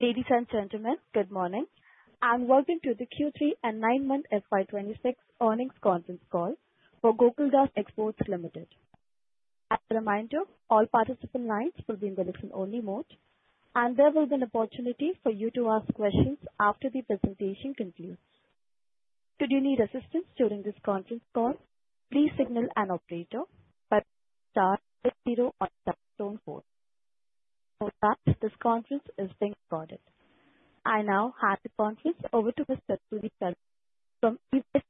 Ladies and gentlemen, good morning. I'm welcoming to the Q3 and nine-month FY 2026 earnings conference call for Gokaldas Exports Limited. As a reminder, all participant lines will be in the listen-only mode, and there will be an opportunity for you to ask questions after the presentation concludes. Should you need assistance during this conference call, please signal an operator by pressing star or zero on the touchtone phone. Note that this conference is being recorded. I now hand the conference over to from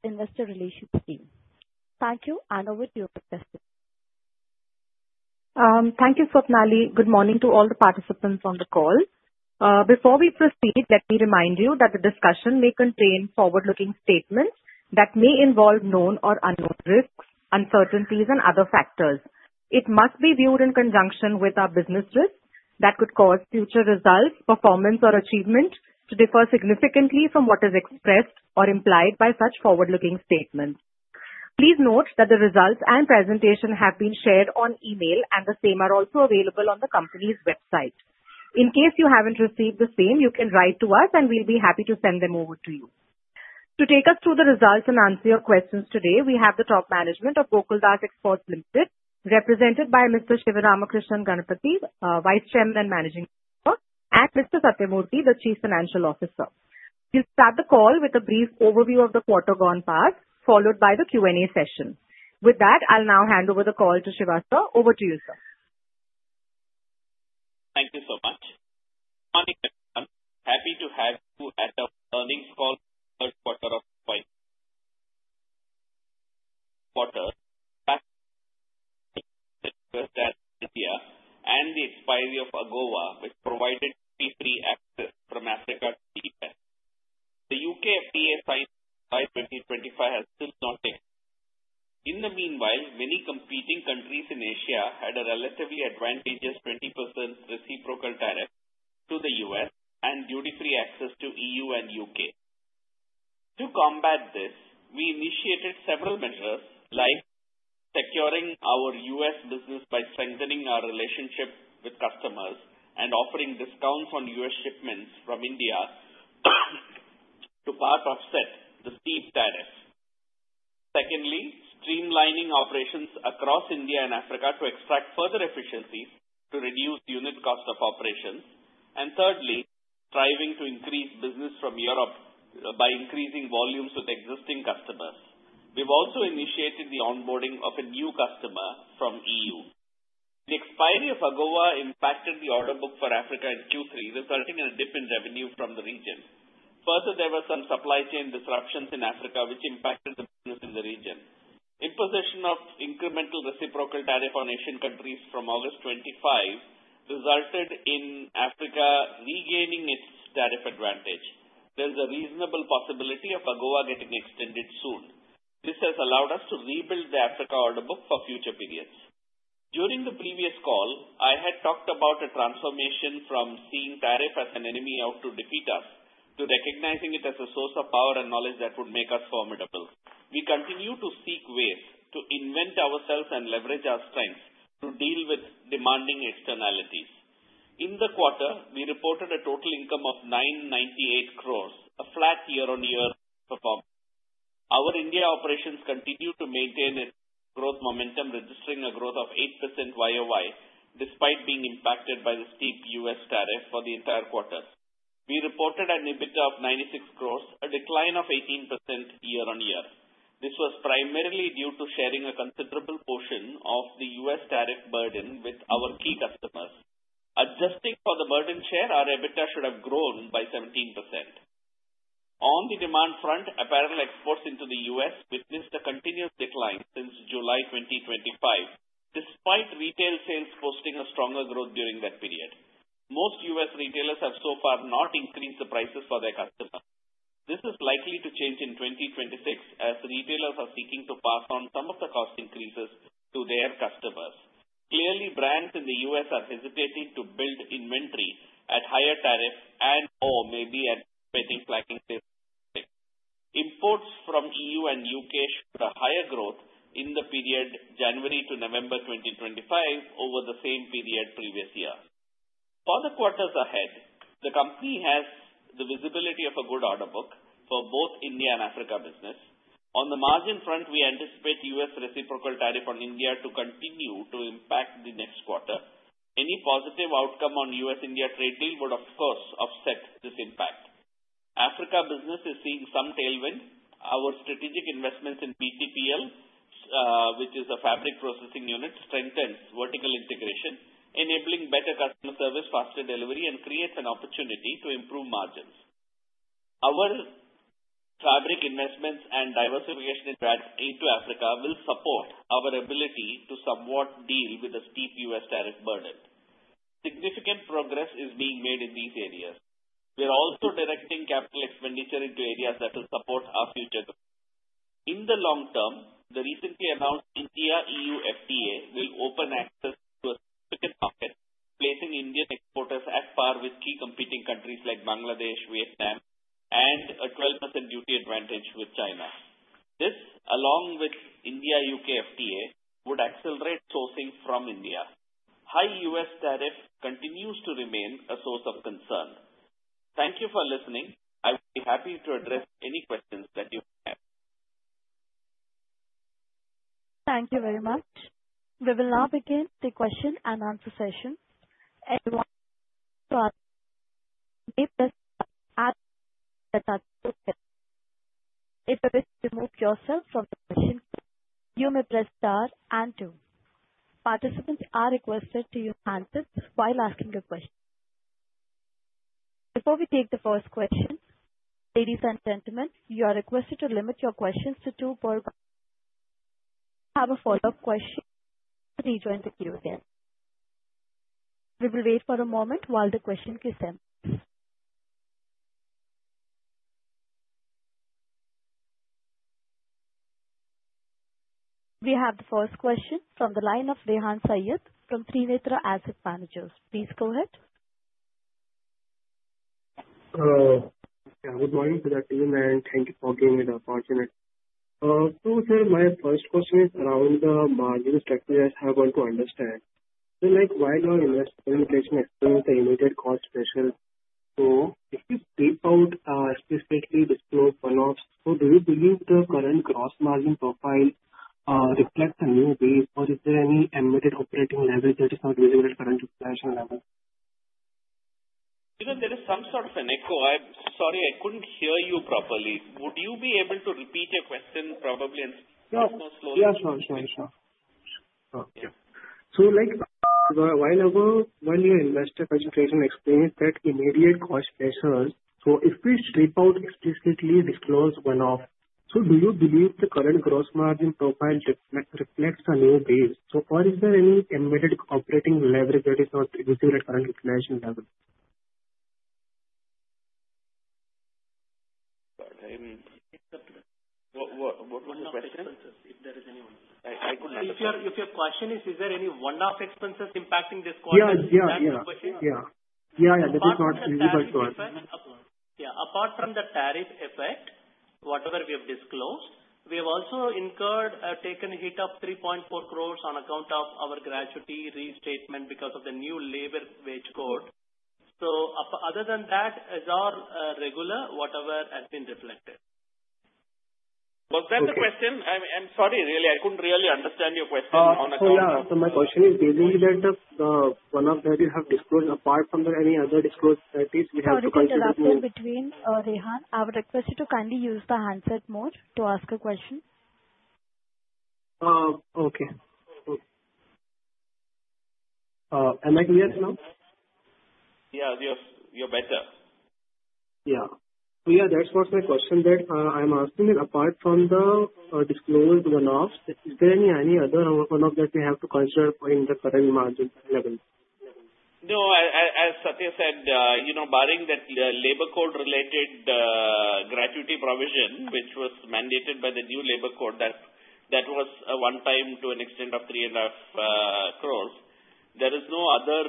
Investor Relations team. Thank you, and over to you, Swapnali. Thank you, Swapnali. Good morning to all the participants on the call. Before we proceed, let me remind you that the discussion may contain forward-looking statements that may involve known or unknown risks, uncertainties, and other factors. It must be viewed in conjunction with our business risks that could cause future results, performance, or achievement to differ significantly from what is expressed or implied by such forward-looking statements. Please note that the results and presentation have been shared on email, and the same are also available on the company's website. In case you haven't received the same, you can write to us, and we'll be happy to send them over to you. To take us through the results and answer your questions today, we have the top management of Gokaldas Exports Limited, represented by Mr. Sivaramakrishnan Ganapathi, Vice Chairman and Managing Director, and Mr. Sathyamurthy, the Chief Financial Officer. We'll start the call with a brief overview of the quarter gone past, followed by the Q&A session. With that, I'll now hand over the call to Siva. Over to you, sir. Thank you so much. Good morning, everyone. Happy to have you at our earnings call for the third quarter of 2024. Q3 FY 2024, the results seen in India and the expiry of AGOA, which provided duty-free access from Africa to the U.S. The U.K. FTA signing July 2025 has still not taken place. In the meanwhile, many competing countries in Asia had a relatively advantageous 20% reciprocal tariff to the U.S. and duty-free access to EU and U.K. To combat this, we initiated several measures like securing our U.S. business by strengthening our relationship with customers and offering discounts on U.S. shipments from India to partially offset the steep tariffs. Secondly, streamlining operations across India and Africa to extract further efficiencies to reduce unit cost of operations. Thirdly, striving to increase business from Europe by increasing volumes with existing customers. We've also initiated the onboarding of a new customer from EU. The expiry of AGOA impacted the order book for Africa in Q3, resulting in a dip in revenue from the region. Further, there were some supply chain disruptions in Africa, which impacted the business in the region. Imposition of incremental reciprocal tariff on Asian countries from August 25 resulted in Africa regaining its tariff advantage. There's a reasonable possibility of AGOA getting extended soon. This has allowed us to rebuild the Africa order book for future periods. During the previous call, I had talked about a transformation from seeing tariff as an enemy out to defeat us to recognizing it as a source of power and knowledge that would make us formidable. We continue to seek ways to reinvent ourselves and leverage our strengths to deal with demanding externalities. In the quarter, we reported a total income of 998 crore, a flat year-over-year performance. Our India operations continue to maintain its growth momentum, registering a growth of 8% YOY despite being impacted by the steep U.S. tariff for the entire quarter. We reported an EBITDA of 96 crore, a decline of 18% year-over-year. This was primarily due to sharing a considerable portion of the U.S. tariff burden with our key customers. Adjusting for the burden share, our EBITDA should have grown by 17%. On the demand front, apparel exports into the U.S. witnessed a continuous decline since July 2025, despite retail sales posting a stronger growth during that period. Most U.S. retailers have so far not increased the prices for their customers. This is likely to change in 2026 as retailers are seeking to pass on some of the cost increases to their customers. Clearly, brands in the U.S. are hesitating to build inventory at higher tariffs and/or may be anticipating flagging their prices. Imports from EU and U.K. showed a higher growth in the period January to November 2025 over the same period previous year. For the quarters ahead, the company has the visibility of a good order book for both India and Africa business. On the margin front, we anticipate U.S. reciprocal tariff on India to continue to impact the next quarter. Any positive outcome on U.S.-India trade deal would, of course, offset this impact. Africa business is seeing some tailwind. Our strategic investments in BTPL, which is a fabric processing unit, strengthen vertical integration, enabling better customer service, faster delivery, and create an opportunity to improve margins. Our fabric investments and diversification into Africa will support our ability to somewhat deal with a steep U.S. tariff burden. Significant progress is being made in these areas. We're also directing capital expenditure into areas that will support our future growth. In the long term, the recently announced India-EU FTA will open access to a significant market, placing Indian exporters at par with key competing countries like Bangladesh, Vietnam, and a 12% duty advantage with China. This, along with India-U.K. FTA, would accelerate sourcing from India. High U.S. tariff continues to remain a source of concern. Thank you for listening. I would be happy to address any questions that you have. Thank you very much. We will now begin the question-and-answer session. Everyone who wants to answer the question may press star and two to get answers. If you wish to remove yourself from the question queue, you may press star and two. Participants are requested to use handsets while asking your questions. Before we take the first question, ladies and gentlemen, you are requested to limit your questions to two per question. If you have a follow-up question, please rejoin the queue again. We will wait for a moment while the question queue populates. We have the first question from the line of Rehan Saiyyed from Trinetra Asset Managers. Please go ahead. Good morning to that team, and thank you for giving me the opportunity. So, sir, my first question is around the margin strategy as I want to understand. Sir, why do our investments in automation experience a limited cost threshold? So if you take out, specifically disclose one-offs, so do you believe the current gross margin profile reflects a new base, or is there any inherent operating leverage that is not visible at current inflation levels? There is some sort of an echo. Sorry, I couldn't hear you properly. Would you be able to repeat your question, probably, and speak a bit more slowly? Yeah, sure, sure, sure. Okay. So while your inventory concentration is experiencing that immediate cost threshold, so if we take out explicitly disclosed one-offs, so do you believe the current gross margin profile reflects a new base, or is there any embedded operating leverage that is not visible at current inflation levels? What was the question? If there is any one? If your question is, is there any one-off expenses impacting this quarter? Is that the question? Yeah, yeah, yeah. Yeah, yeah, this is not visible to us. Yeah, apart from the tariff effect, whatever we have disclosed, we have also incurred a taken hit of 3.4 crore on account of our gratuity restatement because of the new labor wage code. So other than that, as our regular, whatever has been reflected. Was that the question? I'm sorry, really. I couldn't really understand your question on account of. My question is basically that one-off that you have disclosed, apart from any other disclosed entities, we have to consider too. Mr. Rehan, I would request you to kindly use the handset mode to ask a question. Okay. Okay. Am I clear now? Yeah, you're better. Yeah. So yeah, that's what's my question that I'm asking. Apart from the disclosed one-offs, is there any other one-off that we have to consider in the current margin levels? No, as Sathya said, barring that labor code-related gratuity provision, which was mandated by the new labor code that was one-time to an extent of 3.5 crore, there is no other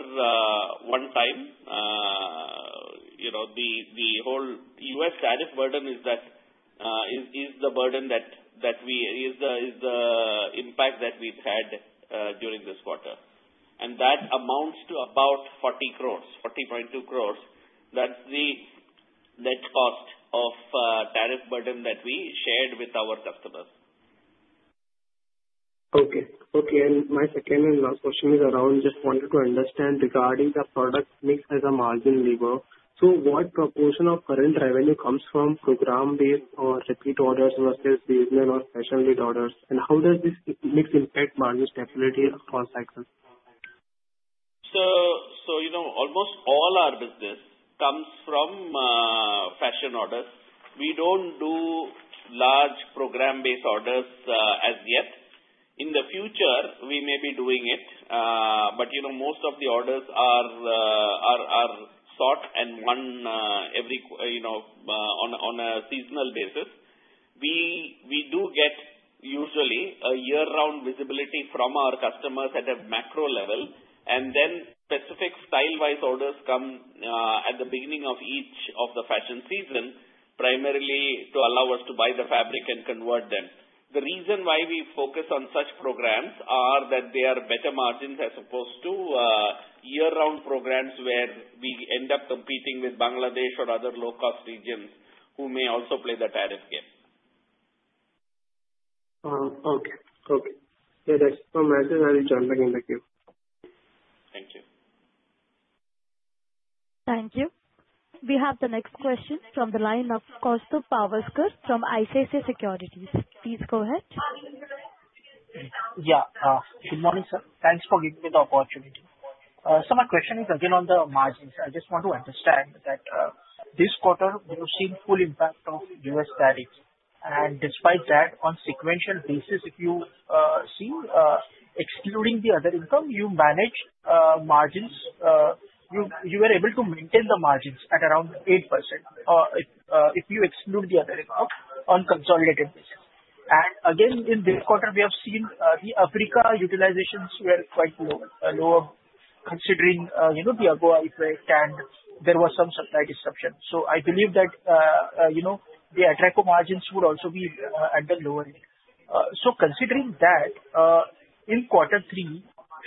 one-time. The whole U.S. tariff burden is the burden that we is the impact that we've had during this quarter. That amounts to about 40 crore, 40.2 crore. That's the net cost of tariff burden that we shared with our customers. Okay. Okay. And my second and last question is around just wanted to understand regarding the product mix as a margin lever. So what proportion of current revenue comes from program-based or repeat orders versus seasonal or special need orders? And how does this mix impact margin stability across cycles? So almost all our business comes from fashion orders. We don't do large program-based orders as yet. In the future, we may be doing it, but most of the orders are sourced and won on a seasonal basis. We do get usually a year-round visibility from our customers at a macro level, and then specific style-wise orders come at the beginning of each of the fashion season, primarily to allow us to buy the fabric and convert them. The reason why we focus on such programs is that they are better margins as opposed to year-round programs where we end up competing with Bangladesh or other low-cost regions who may also play the tariff game. Okay. Okay. Yeah, that's so much. I'll be joining in the queue. Thank you. Thank you. We have the next question from the line of Kaustubh Pawaskar from ICICI Securities. Please go ahead. Yeah. Good morning, sir. Thanks for giving me the opportunity. So my question is again on the margins. I just want to understand that this quarter, we've seen full impact of U.S. tariffs. And despite that, on sequential basis, if you see, excluding the other income, you manage margins you were able to maintain the margins at around 8% if you exclude the other income on consolidated basis. And again, in this quarter, we have seen the Africa utilizations were quite lower, considering the AGOA effect, and there was some supply disruption. So I believe that the Atraco margins would also be at the lower end. So considering that, in quarter three,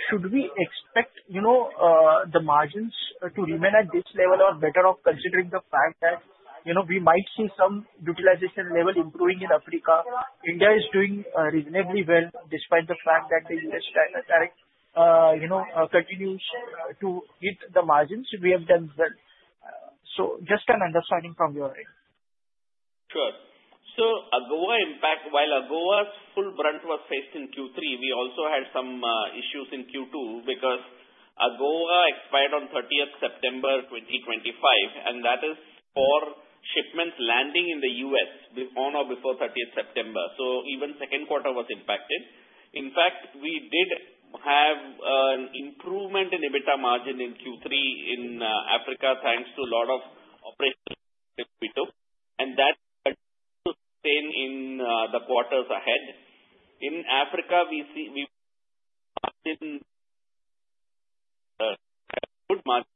should we expect the margins to remain at this level or better considering the fact that we might see some utilization level improving in Africa? India is doing reasonably well despite the fact that the U.S. tariff continues to hit the margins. We have done well. Just an understanding from your end. Sure. So while AGOA's full brunt was faced in Q3, we also had some issues in Q2 because AGOA expired on 30th September 2025, and that is for shipments landing in the U.S. on or before 30th September. So even second quarter was impacted. In fact, we did have an improvement in EBITDA margin in Q3 in Africa thanks to a lot of operations we took, and that continued to stay in the quarters ahead. In Africa, we see a good margin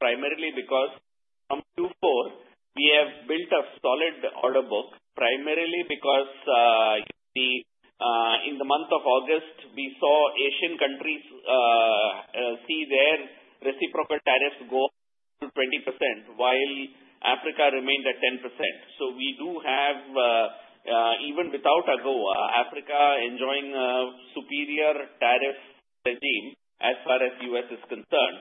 primarily because from Q4, we have built a solid order book, primarily because in the month of August, we saw Asian countries see their reciprocal tariffs go up to 20% while Africa remained at 10%. So we do have, even without AGOA, Africa enjoying a superior tariff regime as far as the U.S. is concerned.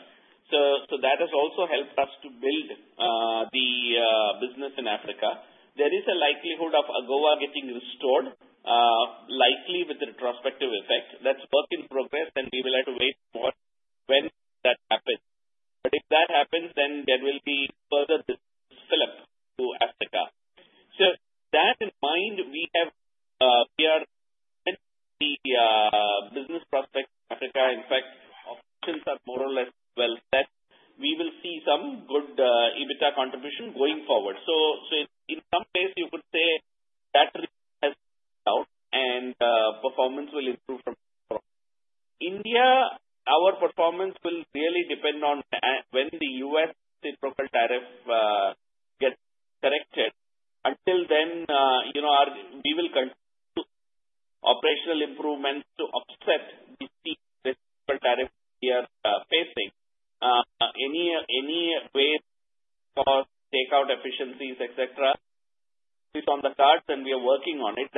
So that has also helped us to build the business in Africa. There is a likelihood of AGOA getting restored, likely with retrospective effect. That's work in progress, and we will have to wait for when that happens. But if that happens, then there will be further disruption to Africa. So that in mind, we are trying to build the business prospects in Africa. In fact, operations are more or less well set. We will see some good EBITDA contribution going forward. So in some ways, you could say that has worked out, and performance will improve from India. Our performance will really depend on when the U.S. reciprocal tariff gets corrected. Until then, we will continue operational improvements to offset the steep reciprocal tariff we are facing. Any ways for takeout efficiencies, etc., is on the cards, and we are working on it.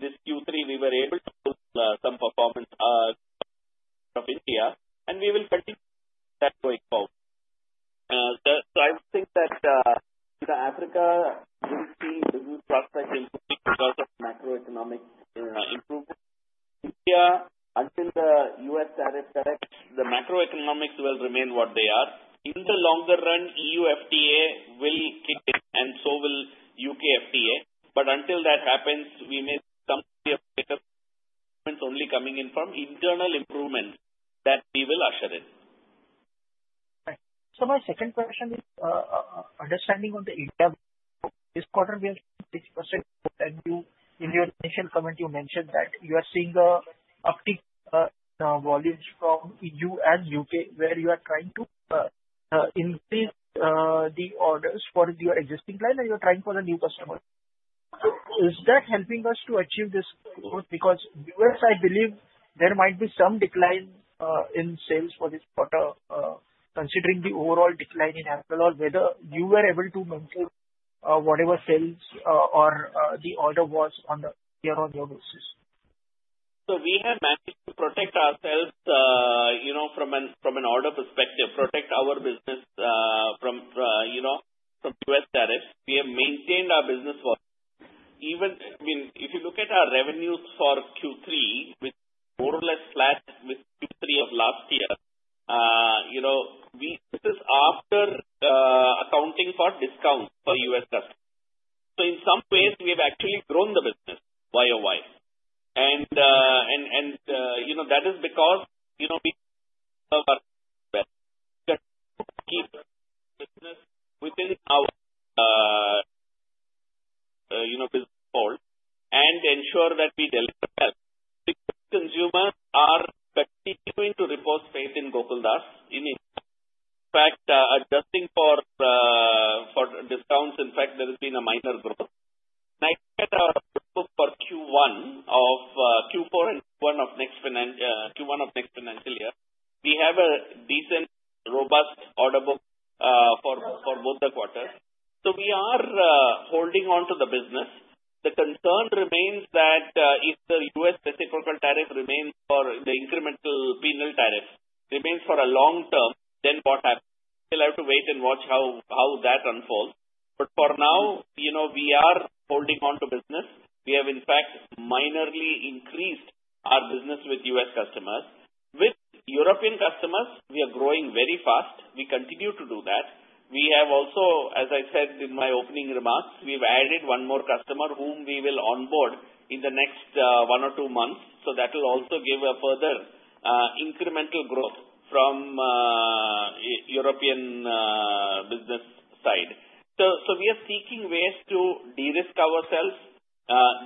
This Q3, we were able to pull some performance from India, and we will continue that going forward. So I would think that Africa will see business prospects improving because of macroeconomic improvements. India, until the U.S. tariff corrects, the macroeconomics will remain what they are. In the longer run, EU FTA will kick in, and so will U.K. FTA. But until that happens, we may see some improvements only coming in from internal improvements that we will usher in. Right. So my second question is understanding on the India. This quarter, we have seen 6% growth, and in your initial comment, you mentioned that you are seeing an uptick in volumes from EU and U.K. where you are trying to increase the orders for your existing line, or you are trying for the new customers. So is that helping us to achieve this growth? Because U.S., I believe there might be some decline in sales for this quarter, considering the overall decline in Atraco, whether you were able to maintain whatever sales or the order was on a year-on-year basis. So we have managed to protect ourselves from an order perspective, protect our business from U.S. tariffs. We have maintained our business volumes. I mean, if you look at our revenues for Q3, which is more or less flat with Q3 of last year, this is after accounting for discounts for U.S. customers. So in some ways, we have actually grown the business year-on-year. And that is because we have our business better. We have to keep our business within our business fold and ensure that we deliver well. Consumers are continuing to repose faith in Gokaldas in India. In fact, adjusting for discounts, in fact, there has been a minor growth. And I think at our order book for Q1 of Q4 and Q1 of next financial year, we have a decent, robust order book for both the quarters. So we are holding onto the business. The concern remains that if the U.S. reciprocal tariff remains or the incremental penal tariff remains for a long term, then what happens? We'll have to wait and watch how that unfolds. But for now, we are holding onto business. We have, in fact, minorly increased our business with U.S. customers. With European customers, we are growing very fast. We continue to do that. We have also, as I said in my opening remarks, we've added one more customer whom we will onboard in the next one or two months. So that will also give a further incremental growth from the European business side. So we are seeking ways to de-risk ourselves.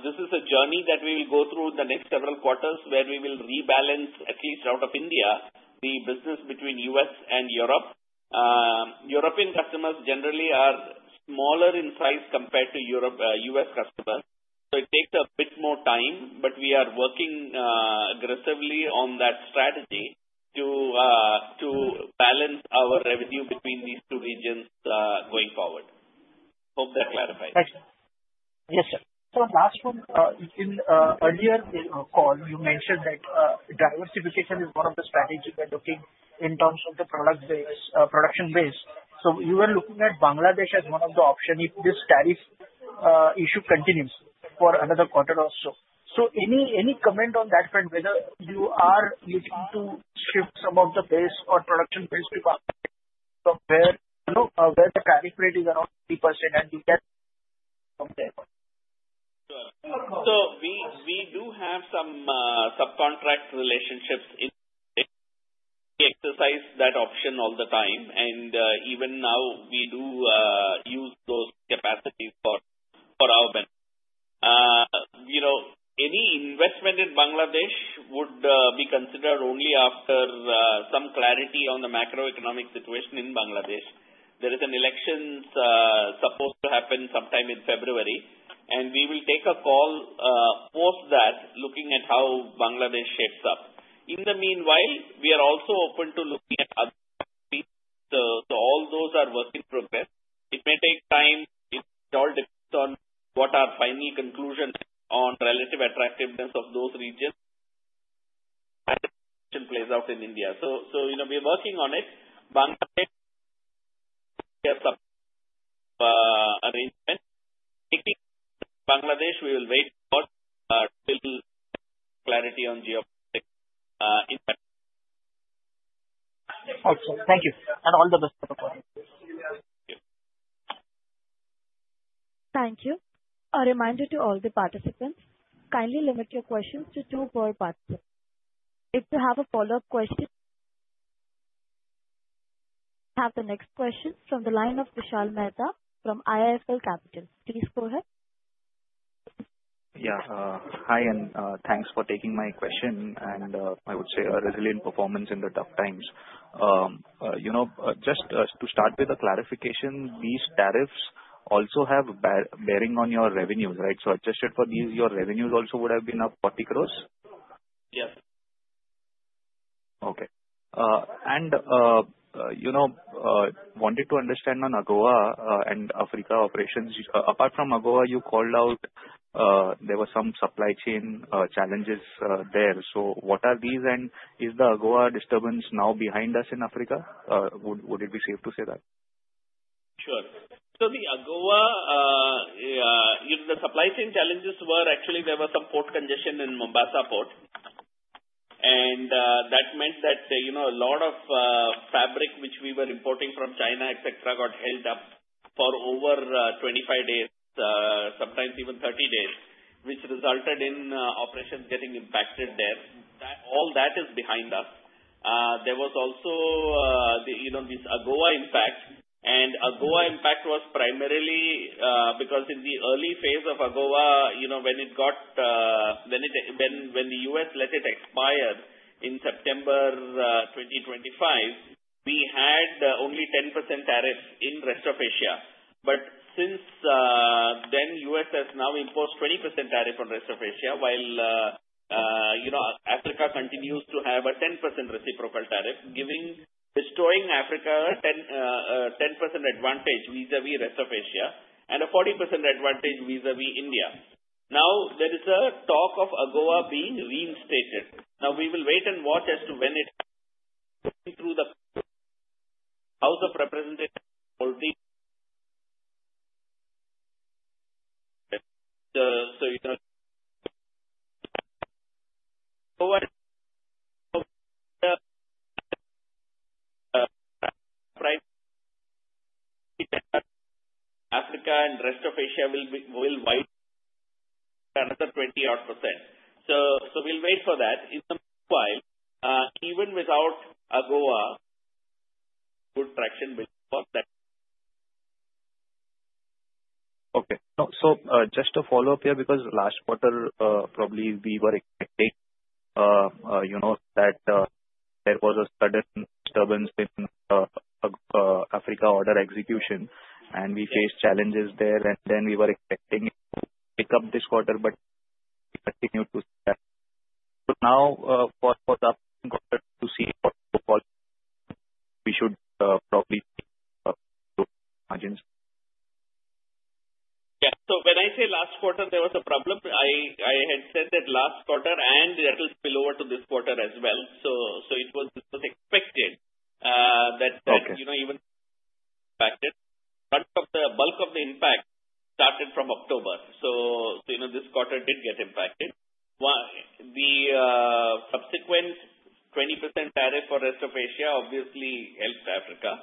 This is a journey that we will go through in the next several quarters where we will rebalance, at least out of India, the business between U.S. and Europe. European customers generally are smaller in size compared to U.S. customers. So it takes a bit more time, but we are working aggressively on that strategy to balance our revenue between these two regions going forward. Hope that clarifies. Thank you. Yes, sir. So last one, in earlier call, you mentioned that diversification is one of the strategies we're looking at in terms of the product base. So you were looking at Bangladesh as one of the options if this tariff issue continues for another quarter or so. So any comment on that front, whether you are looking to shift some of the base or production base to Bangladesh from where the tariff rate is around 3% and you get from there? Sure. So we do have some subcontract relationships. We exercise that option all the time. And even now, we do use those capacities for our benefit. Any investment in Bangladesh would be considered only after some clarity on the macroeconomic situation in Bangladesh. There is an election supposed to happen sometime in February, and we will take a call post that, looking at how Bangladesh shapes up. In the meanwhile, we are also open to looking at other countries. So all those are work in progress. It may take time. It all depends on what our final conclusion is on relative attractiveness of those regions and how the situation plays out in India. So we are working on it. Bangladesh has some arrangements. In Bangladesh, we will wait for clarity on geopolitics impact. Okay. Thank you. And all the best for the quarter. Thank you. Thank you. A reminder to all the participants: kindly limit your questions to two per participant. If you have a follow-up question, we have the next question from the line of Vishal Mehta from IIFL Capital. Please go ahead. Yeah. Hi, and thanks for taking my question. I would say a resilient performance in the tough times. Just to start with a clarification, these tariffs also have bearing on your revenues, right? So adjusted for these, your revenues also would have been up 40 crore? Yes. Okay. And I wanted to understand on AGOA and Africa operations. Apart from AGOA, you called out there were some supply chain challenges there. So what are these, and is the AGOA disturbance now behind us in Africa? Would it be safe to say that? Sure. So the AGOA, the supply chain challenges were actually there was some port congestion in Mombasa port. And that meant that a lot of fabric which we were importing from China, etc., got held up for over 25 days, sometimes even 30 days, which resulted in operations getting impacted there. All that is behind us. There was also this AGOA impact. And AGOA impact was primarily because in the early phase of AGOA, when it got when the U.S. let it expire in September 2025, we had only 10% tariffs in rest of Asia. But since then, the U.S. has now imposed 20% tariff on rest of Asia while Africa continues to have a 10% reciprocal tariff, destroying Africa a 10% advantage vis-à-vis rest of Asia and a 40% advantage vis-à-vis India. Now, there is a talk of AGOA being reinstated. Now, we will wait and watch as to when it happens through the House of Representatives. So Africa and rest of Asia will wipe another 20-odd percent. So we'll wait for that. In the meanwhile, even without AGOA, good traction builds for that. Okay. So just a follow-up here because last quarter, probably we were expecting that there was a sudden disturbance in Africa order execution, and we faced challenges there. Then we were expecting it to pick up this quarter, but we continued to see that. So now, for the upcoming quarter to see what we should probably see margins. Yeah. So when I say last quarter, there was a problem. I had said that last quarter, and that will spill over to this quarter as well. So it was expected that even impacted. Bulk of the impact started from October. So this quarter did get impacted. The subsequent 20% tariff for rest of Asia obviously helped Africa.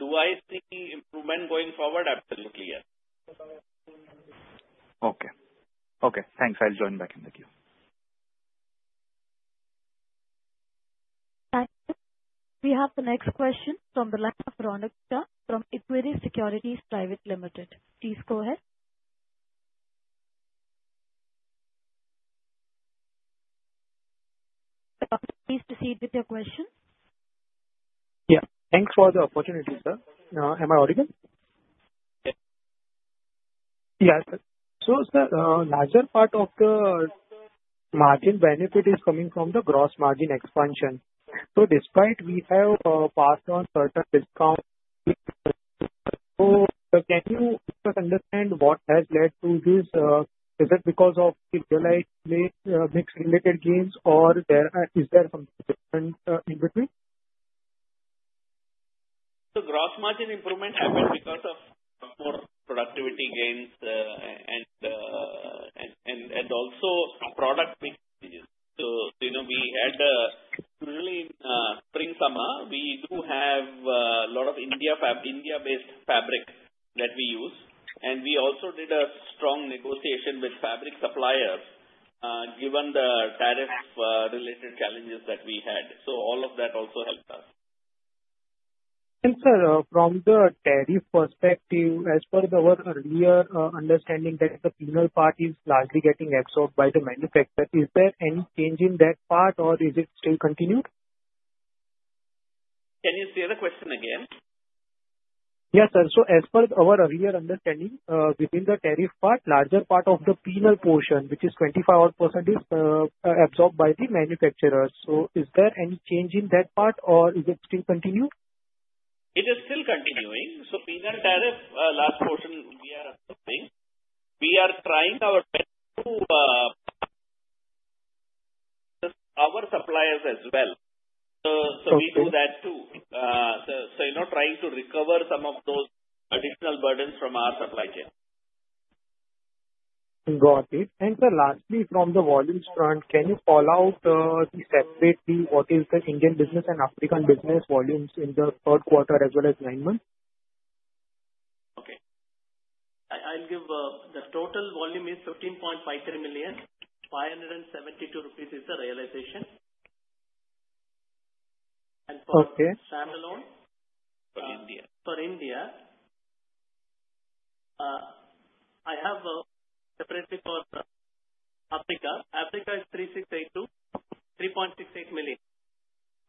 Do I see improvement going forward? Absolutely, yes. Okay. Okay. Thanks. I'll join back in the queue. Thank you. We have the next question from the line of Ronak Shah from Equirus Securities Private Limited. Please go ahead. Please proceed with your question. Yeah. Thanks for the opportunity, sir. Am I audible? Yes. Yeah, sir. So, sir, a larger part of the margin benefit is coming from the gross margin expansion. So despite we have passed on certain discounts, so can you just understand what has led to this? Is it because of the realized mix-related gains, or is there something different in between? The gross margin improvement happened because of more productivity gains and also product mix changes. We had usually in spring/summer, we do have a lot of India-based fabric that we use. We also did a strong negotiation with fabric suppliers given the tariff-related challenges that we had. All of that also helped us. Sir, from the tariff perspective, as per our earlier understanding that the penal part is largely getting absorbed by the manufacturer, is there any change in that part, or is it still continued? Can you say the question again? Yes, sir. So as per our earlier understanding, within the tariff part, a larger part of the penal portion, which is 25-odd percent, is absorbed by the manufacturers. So is there any change in that part, or is it still continued? It is still continuing. So penal tariff, last portion, we are absorbing. We are trying our best to pass our suppliers as well. So we do that too, so trying to recover some of those additional burdens from our supply chain. Got it. Sir, lastly, from the volumes front, can you call out separately what is the Indian business and African business volumes in the third quarter as well as nine months? Okay. The total volume is 15.53 million. 572 rupees is the realization. And for standalone? For India? For India, I have separately for Africa. Africa is 3,682. 3.68 million.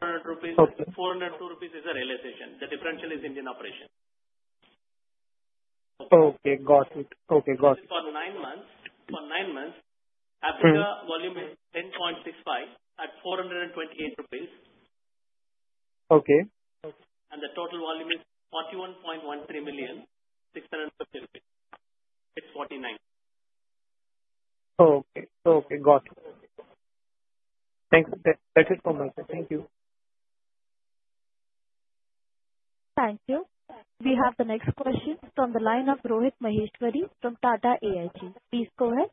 402 rupees is the realization. The differential is Indian operation. Okay. Got it. Okay. Got it. For nine months, Africa volume is 10.65 at 428 rupees. Okay. The total volume is 41.13 million. 650 rupees. It's 49. Okay. Okay. Got it. Thanks. That's it from my side. Thank you. Thank you. We have the next question from the line of Rohit Maheshwari from Tata AIG. Please go ahead.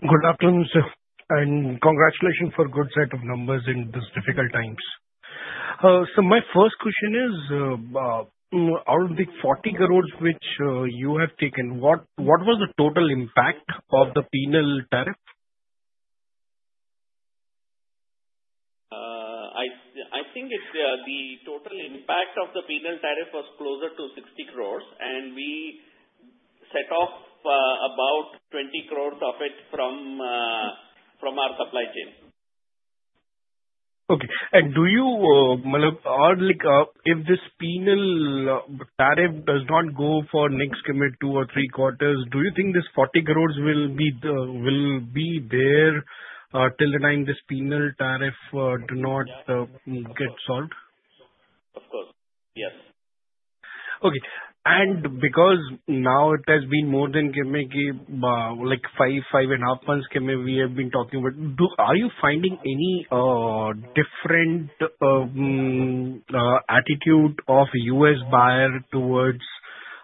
Good afternoon, sir, and congratulations for a good set of numbers in these difficult times. My first question is, out of the 40 crore which you have taken, what was the total impact of the penal tariff? I think the total impact of the penal tariff was closer to 60 crores, and we set off about 20 crores of it from our supply chain. Okay. Do you, if this penal tariff does not go for next commit two or three quarters, do you think these 40 crore will be there till the time this penal tariff does not get solved? Of course. Yes. Okay. And because now it has been more than five, 5.5 months we have been talking, are you finding any different attitude of U.S. buyer towards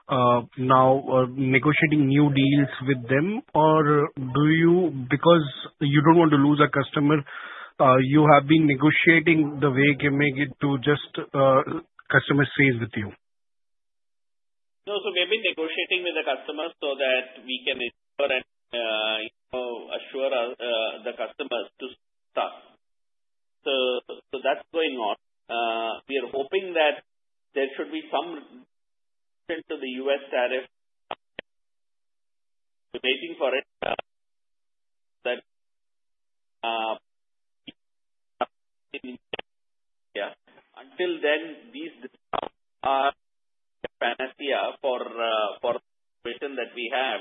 now negotiating new deals with them, or do you, because you don't want to lose a customer, you have been negotiating the way to just customer sales with you? No, so we have been negotiating with the customers so that we can assure the customers to stop. So that's going on. We are hoping that there should be some relation to the U.S. tariff. We're waiting for it. Yeah. Until then, these discounts are a fantasy for the situation that we have.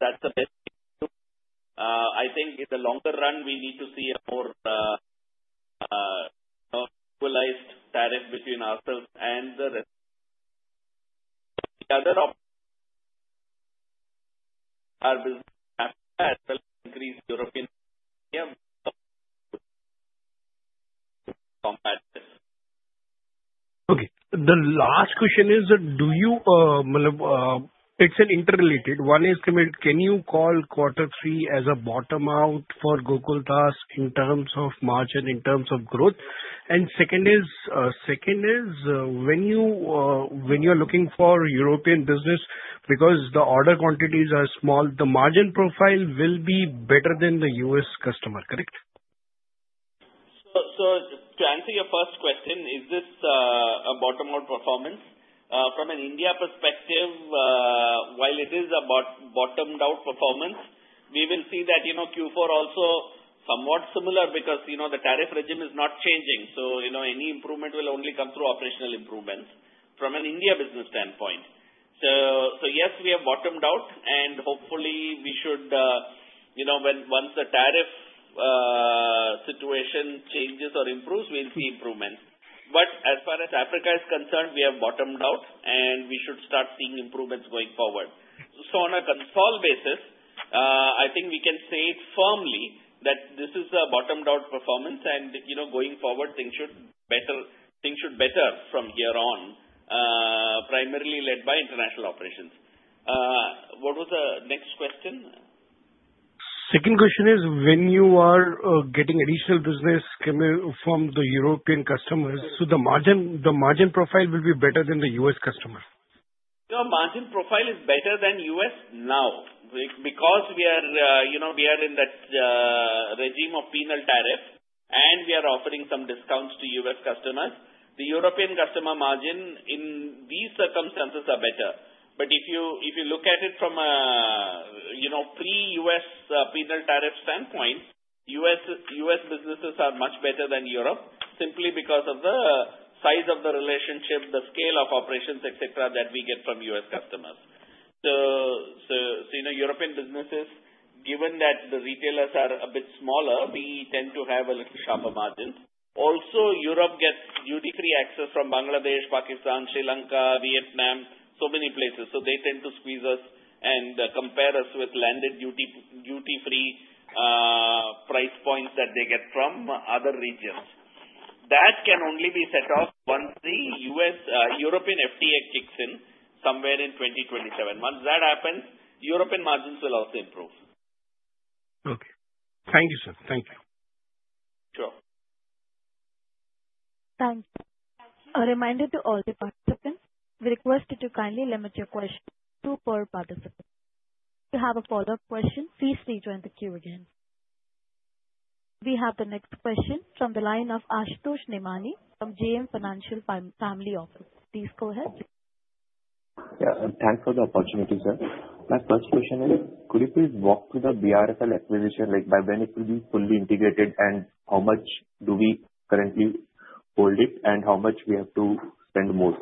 That's the best we can do. I think in the longer run, we need to see a more equalized tariff between ourselves and the rest of the country. The other options are business after that, increase European combat risk. Okay. The last question is, do you, it's interrelated. One is, can you call quarter three as a bottom-out for Gokaldas in terms of margin and in terms of growth? And second is, when you are looking for European business, because the order quantities are small, the margin profile will be better than the U.S. customer, correct? So to answer your first question, is this a bottom-out performance? From an India perspective, while it is a bottomed-out performance, we will see that Q4 also somewhat similar because the tariff regime is not changing. So any improvement will only come through operational improvements from an India business standpoint. So yes, we have bottomed out, and hopefully, we should, once the tariff situation changes or improves, we'll see improvements. But as far as Africa is concerned, we have bottomed out, and we should start seeing improvements going forward. So on a consolidated basis, I think we can say firmly that this is a bottomed-out performance, and going forward, things should better from here on, primarily led by international operations. What was the next question? Second question is, when you are getting additional business from the European customers, so the margin profile will be better than the U.S. customer? Your margin profile is better than U.S. now because we are in that regime of penal tariff, and we are offering some discounts to U.S. customers. The European customer margin in these circumstances is better. But if you look at it from a pre-U.S. penal tariff standpoint, U.S. businesses are much better than Europe simply because of the size of the relationship, the scale of operations, etc., that we get from U.S. customers. So European businesses, given that the retailers are a bit smaller, we tend to have a little sharper margin. Also, Europe gets duty-free access from Bangladesh, Pakistan, Sri Lanka, Vietnam, so many places. So they tend to squeeze us and compare us with landed duty-free price points that they get from other regions. That can only be set off once the European FTA kicks in somewhere in 2027. Once that happens, European margins will also improve. Okay. Thank you, sir. Thank you. Sure. Thank you. A reminder to all the participants: we request you to kindly limit your questions to per participant. If you have a follow-up question, please rejoin the queue again. We have the next question from the line of Ashutosh Nemani from JM Financial Family Office. Please go ahead. Yeah. Thanks for the opportunity, sir. My first question is, could you please walk through the BRFL acquisition? By then, it will be fully integrated, and how much do we currently hold it, and how much do we have to spend more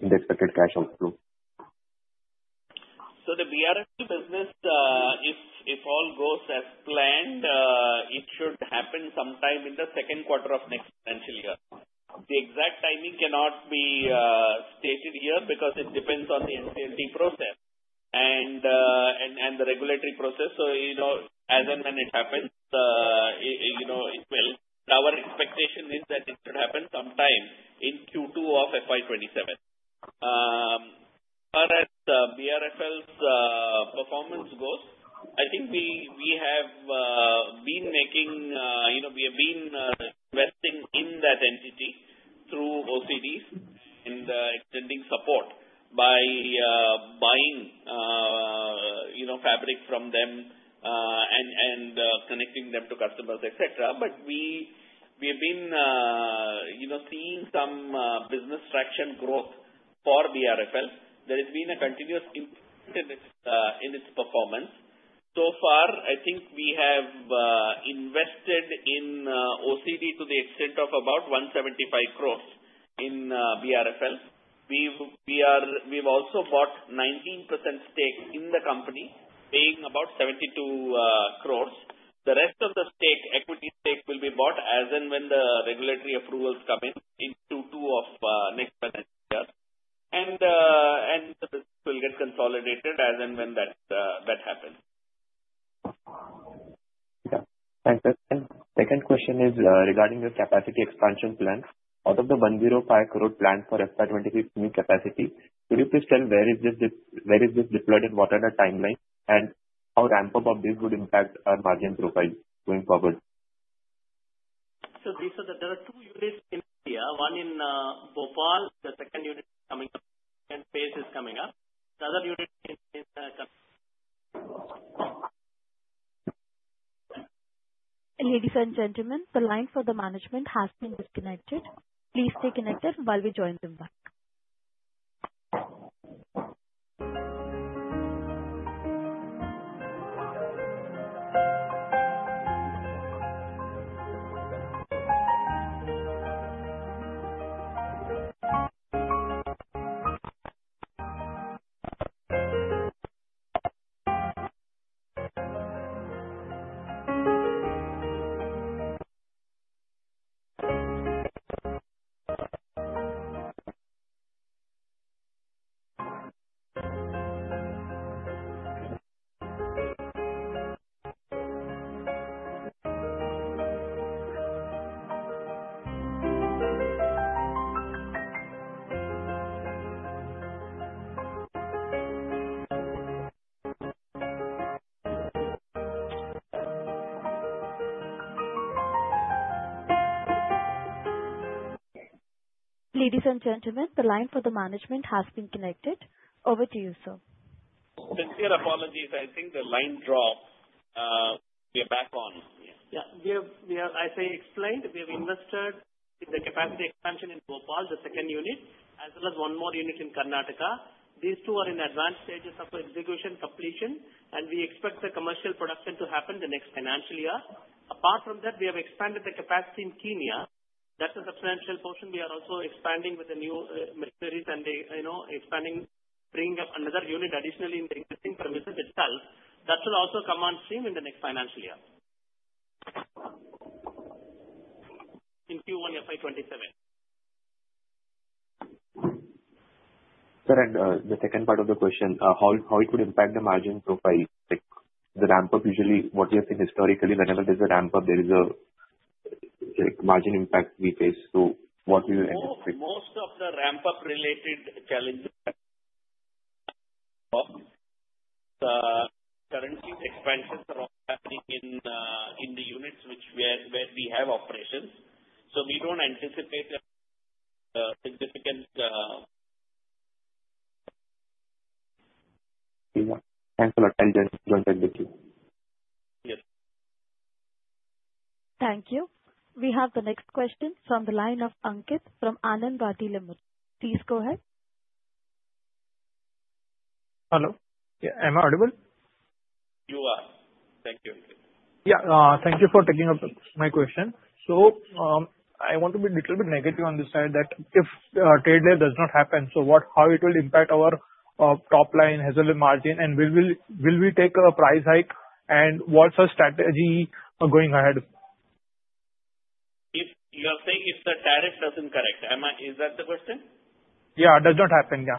in the expected cash outflow? So the BRFL business, if all goes as planned, it should happen sometime in the second quarter of next financial year. The exact timing cannot be stated here because it depends on the NCLT process and the regulatory process. So as and when it happens, it will, our expectation is that it should happen sometime in Q2 of FY 2027. As far as the BRFL's performance goes, I think we have been making, we have been investing in that entity through OCDs and extending support by buying fabric from them and connecting them to customers, etc. But we have been seeing some business traction growth for BRFL. There has been a continuous improvement in its performance. So far, I think we have invested in OCD to the extent of about 175 crore in BRFL. We've also bought 19% stake in the company, paying about 72 crore. The rest of the equity stake will be bought as and when the regulatory approvals come in in Q2 of next financial year. The business will get consolidated as and when that happens. Yeah. Thanks, sir. Second question is regarding your capacity expansion plan. Out of the 105 crore planned for FY 2026 new capacity, could you please tell where is this deployed and what are the timelines, and how ramp-up of this would impact our margin profile going forward? So there are two units in India. One in Bhopal, the second unit is coming up. The second phase is coming up. The other unit is in. Ladies and gentlemen, the line for the management has been disconnected. Please stay connected while we join them back. Ladies and gentlemen, the line for the management has been connected. Over to you, sir. Sincere apologies. I think the line dropped. We are back on. Yeah. Yeah. As I explained. We have invested in the capacity expansion in Bhopal, the second unit, as well as one more unit in Karnataka. These two are in advanced stages of execution completion, and we expect the commercial production to happen the next financial year. Apart from that, we have expanded the capacity in Kenya. That's a substantial portion. We are also expanding with the new machinery and expanding, bringing up another unit additionally in the existing premises itself. That will also come on stream in the next financial year in Q1 FY 2027. Sir, and the second part of the question, how it would impact the margin profile. The ramp-up, usually, what do you think historically? Whenever there's a ramp-up, there is a margin impact we face. So what do you anticipate? Most of the ramp-up-related challenges that we talk about currently, expansions are all happening in the units where we have operations. So we don't anticipate a significant. Yeah. Thanks a lot. I'll join them with you. Yes. Thank you. We have the next question from the line of Ankit from Anand Rathi. Please go ahead. Hello? Am I audible? You are. Thank you, Ankit. Yeah. Thank you for taking up my question. I want to be a little bit negative on this side that if trade lift does not happen, so how it will impact our top line, gross margin, and will we take a price hike, and what's our strategy going ahead? You are saying if the tariff doesn't correct, is that the question? Yeah. It does not happen. Yeah.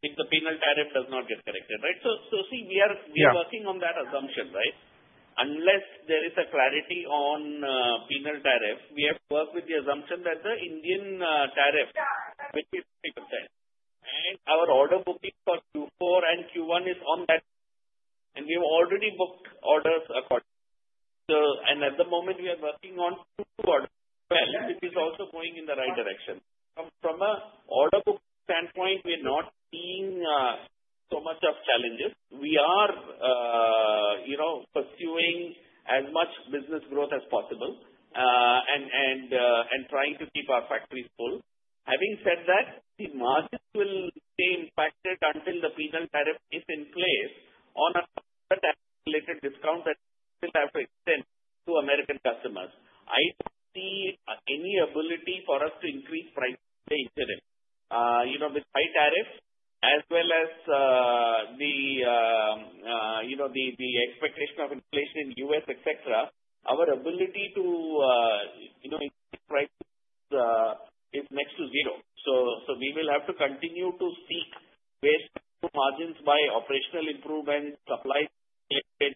If the penal tariff does not get corrected, right? So see, we are working on that assumption, right? Unless there is a clarity on penal tariff, we have worked with the assumption that the Indian tariff will be 50%, and our order booking for Q4 and Q1 is on that. And we have already booked orders accordingly. And at the moment, we are working on two orders as well, which is also going in the right direction. From an order book standpoint, we are not seeing so much of challenges. We are pursuing as much business growth as possible and trying to keep our factories full. Having said that, the margins will stay impacted until the penal tariff is in place on a tariff-related discount that we still have to extend to American customers. I don't see any ability for us to increase prices today, incidentally. With high tariffs as well as the expectation of inflation in the U.S., etc., our ability to increase prices is next to zero. So we will have to continue to seek ways to margins by operational improvements, supply-related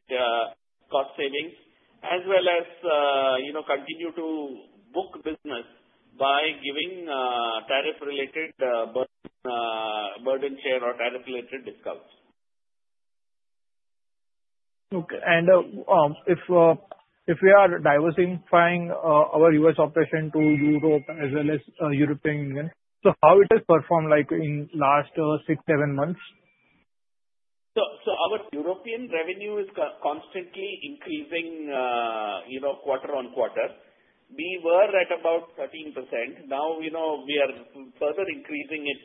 cost savings, as well as continue to book business by giving tariff-related burden share or tariff-related discounts. Okay. If we are diversifying our U.S. operation to Europe as well as European Union, so how it has performed in the last six to seven months? So our European revenue is constantly increasing quarter-over-quarter. We were at about 13%. Now, we are further increasing it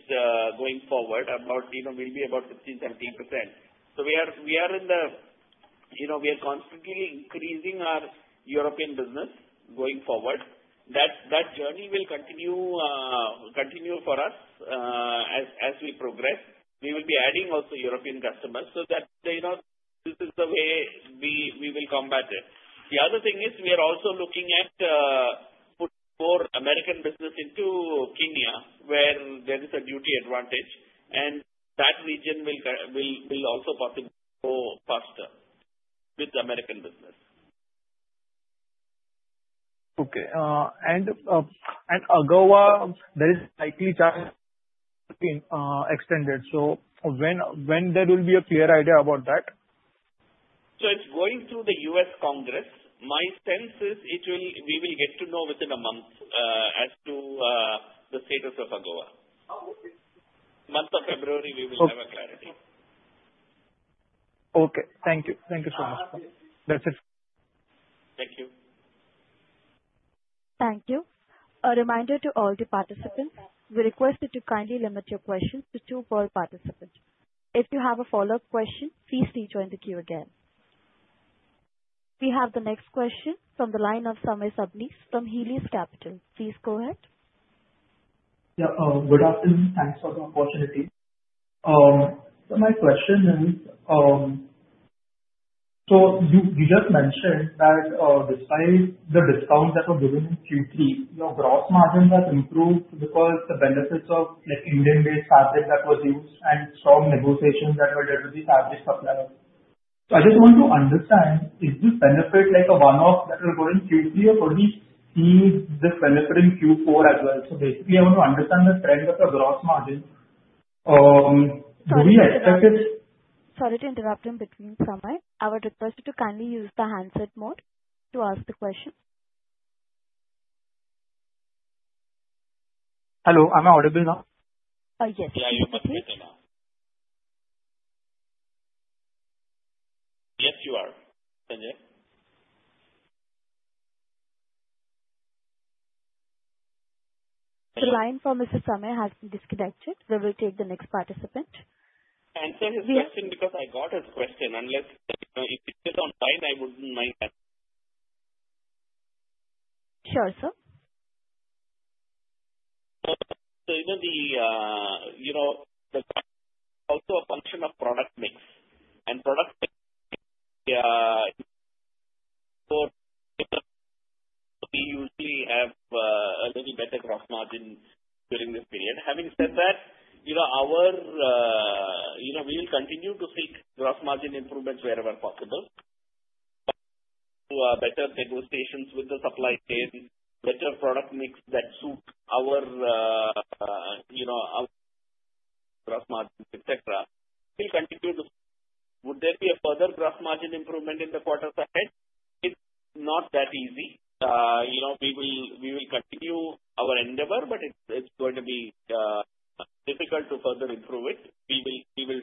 going forward. We'll be about 15%-17%. So we are constantly increasing our European business going forward. That journey will continue for us as we progress. We will be adding also European customers so that this is the way we will combat it. The other thing is we are also looking at putting more American business into Kenya where there is a duty advantage, and that region will also possibly go faster with the American business. Okay. And AGOA, there is a likely chance to be extended. So when there will be a clear idea about that? It's going through the U.S. Congress. My sense is we will get to know within a month as to the status of AGOA. Month of February, we will have a clarity. Okay. Thank you. Thank you so much, sir. That's it. Thank you. Thank you. A reminder to all the participants: we request you to kindly limit your questions to two per participant. If you have a follow-up question, please rejoin the queue again. We have the next question from the line of Samay Sabnis from Helios Capital. Please go ahead. Yeah. Good afternoon. Thanks for the opportunity. So my question is, so you just mentioned that despite the discounts that were given in Q3, your gross margins have improved because of the benefits of Indian-based fabric that was used and strong negotiations that were done with the fabric suppliers. So I just want to understand, is this benefit a one-off that will go in Q3, or could we see this benefit in Q4 as well? So basically, I want to understand the trend of the gross margin. Do we expect it. Sorry to interrupt in between, Samay. I would request you to kindly use the handset mode to ask the question. Hello? Am I audible now? Yes. Yeah. You must be better now. Yes, you are, Samay. The line for Mr. Samay has disconnected. We will take the next participant. Answer his question because I got his question. If it is online, I wouldn't mind that. Sure, sir. So, even that's also a function of product mix. We usually have a little better gross margin during this period. Having said that, we will continue to seek gross margin improvements wherever possible to better negotiations with the supply chain, better product mix that suits our gross margins, etc. Would there be a further gross margin improvement in the quarters ahead? It's not that easy. We will continue our endeavor, but it's going to be difficult to further improve it. We will.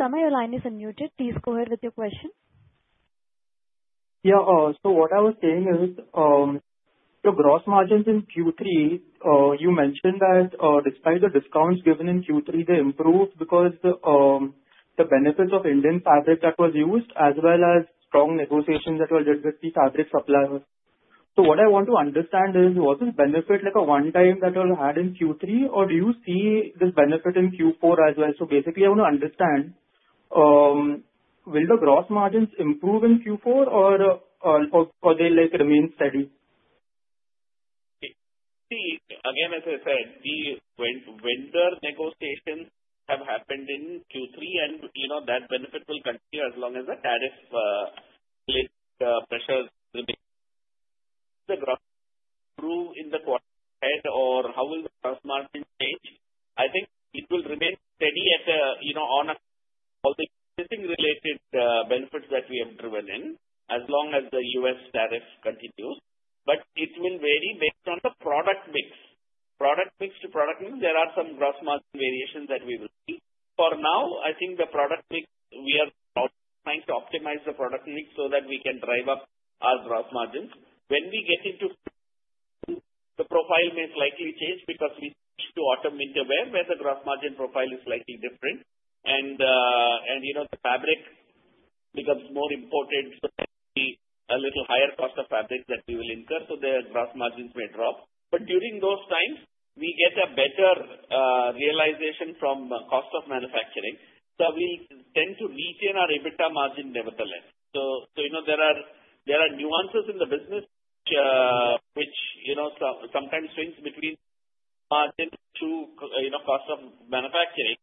Samay, your line is unmuted. Please go ahead with your question. Yeah. So what I was saying is, the gross margins in Q3, you mentioned that despite the discounts given in Q3, they improved because the benefits of Indian fabric that was used as well as strong negotiations that were done with the fabric suppliers. So what I want to understand is, was this benefit a one-time that we had in Q3, or do you see this benefit in Q4 as well? So basically, I want to understand, will the gross margins improve in Q4, or will they remain steady? See, again, as I said, the vendor negotiations have happened in Q3, and that benefit will continue as long as the tariff pressures remain. Will the gross margin improve in the quarters ahead, or how will the gross margin change? I think it will remain steady on all the existing-related benefits that we have driven in as long as the U.S. tariff continues. But it will vary based on the product mix. Product mix to product mix, there are some gross margin variations that we will see. For now, I think the product mix, we are trying to optimize the product mix so that we can drive up our gross margins. When we get into Q3, the profile may slightly change because we switch to autumn-winter wear where the gross margin profile is slightly different. The fabric becomes more imported, so there will be a little higher cost of fabric that we will incur, so the gross margins may drop. But during those times, we get a better realization from cost of manufacturing. So we'll tend to retain our EBITDA margin nevertheless. So there are nuances in the business, which sometimes swings between margin to cost of manufacturing.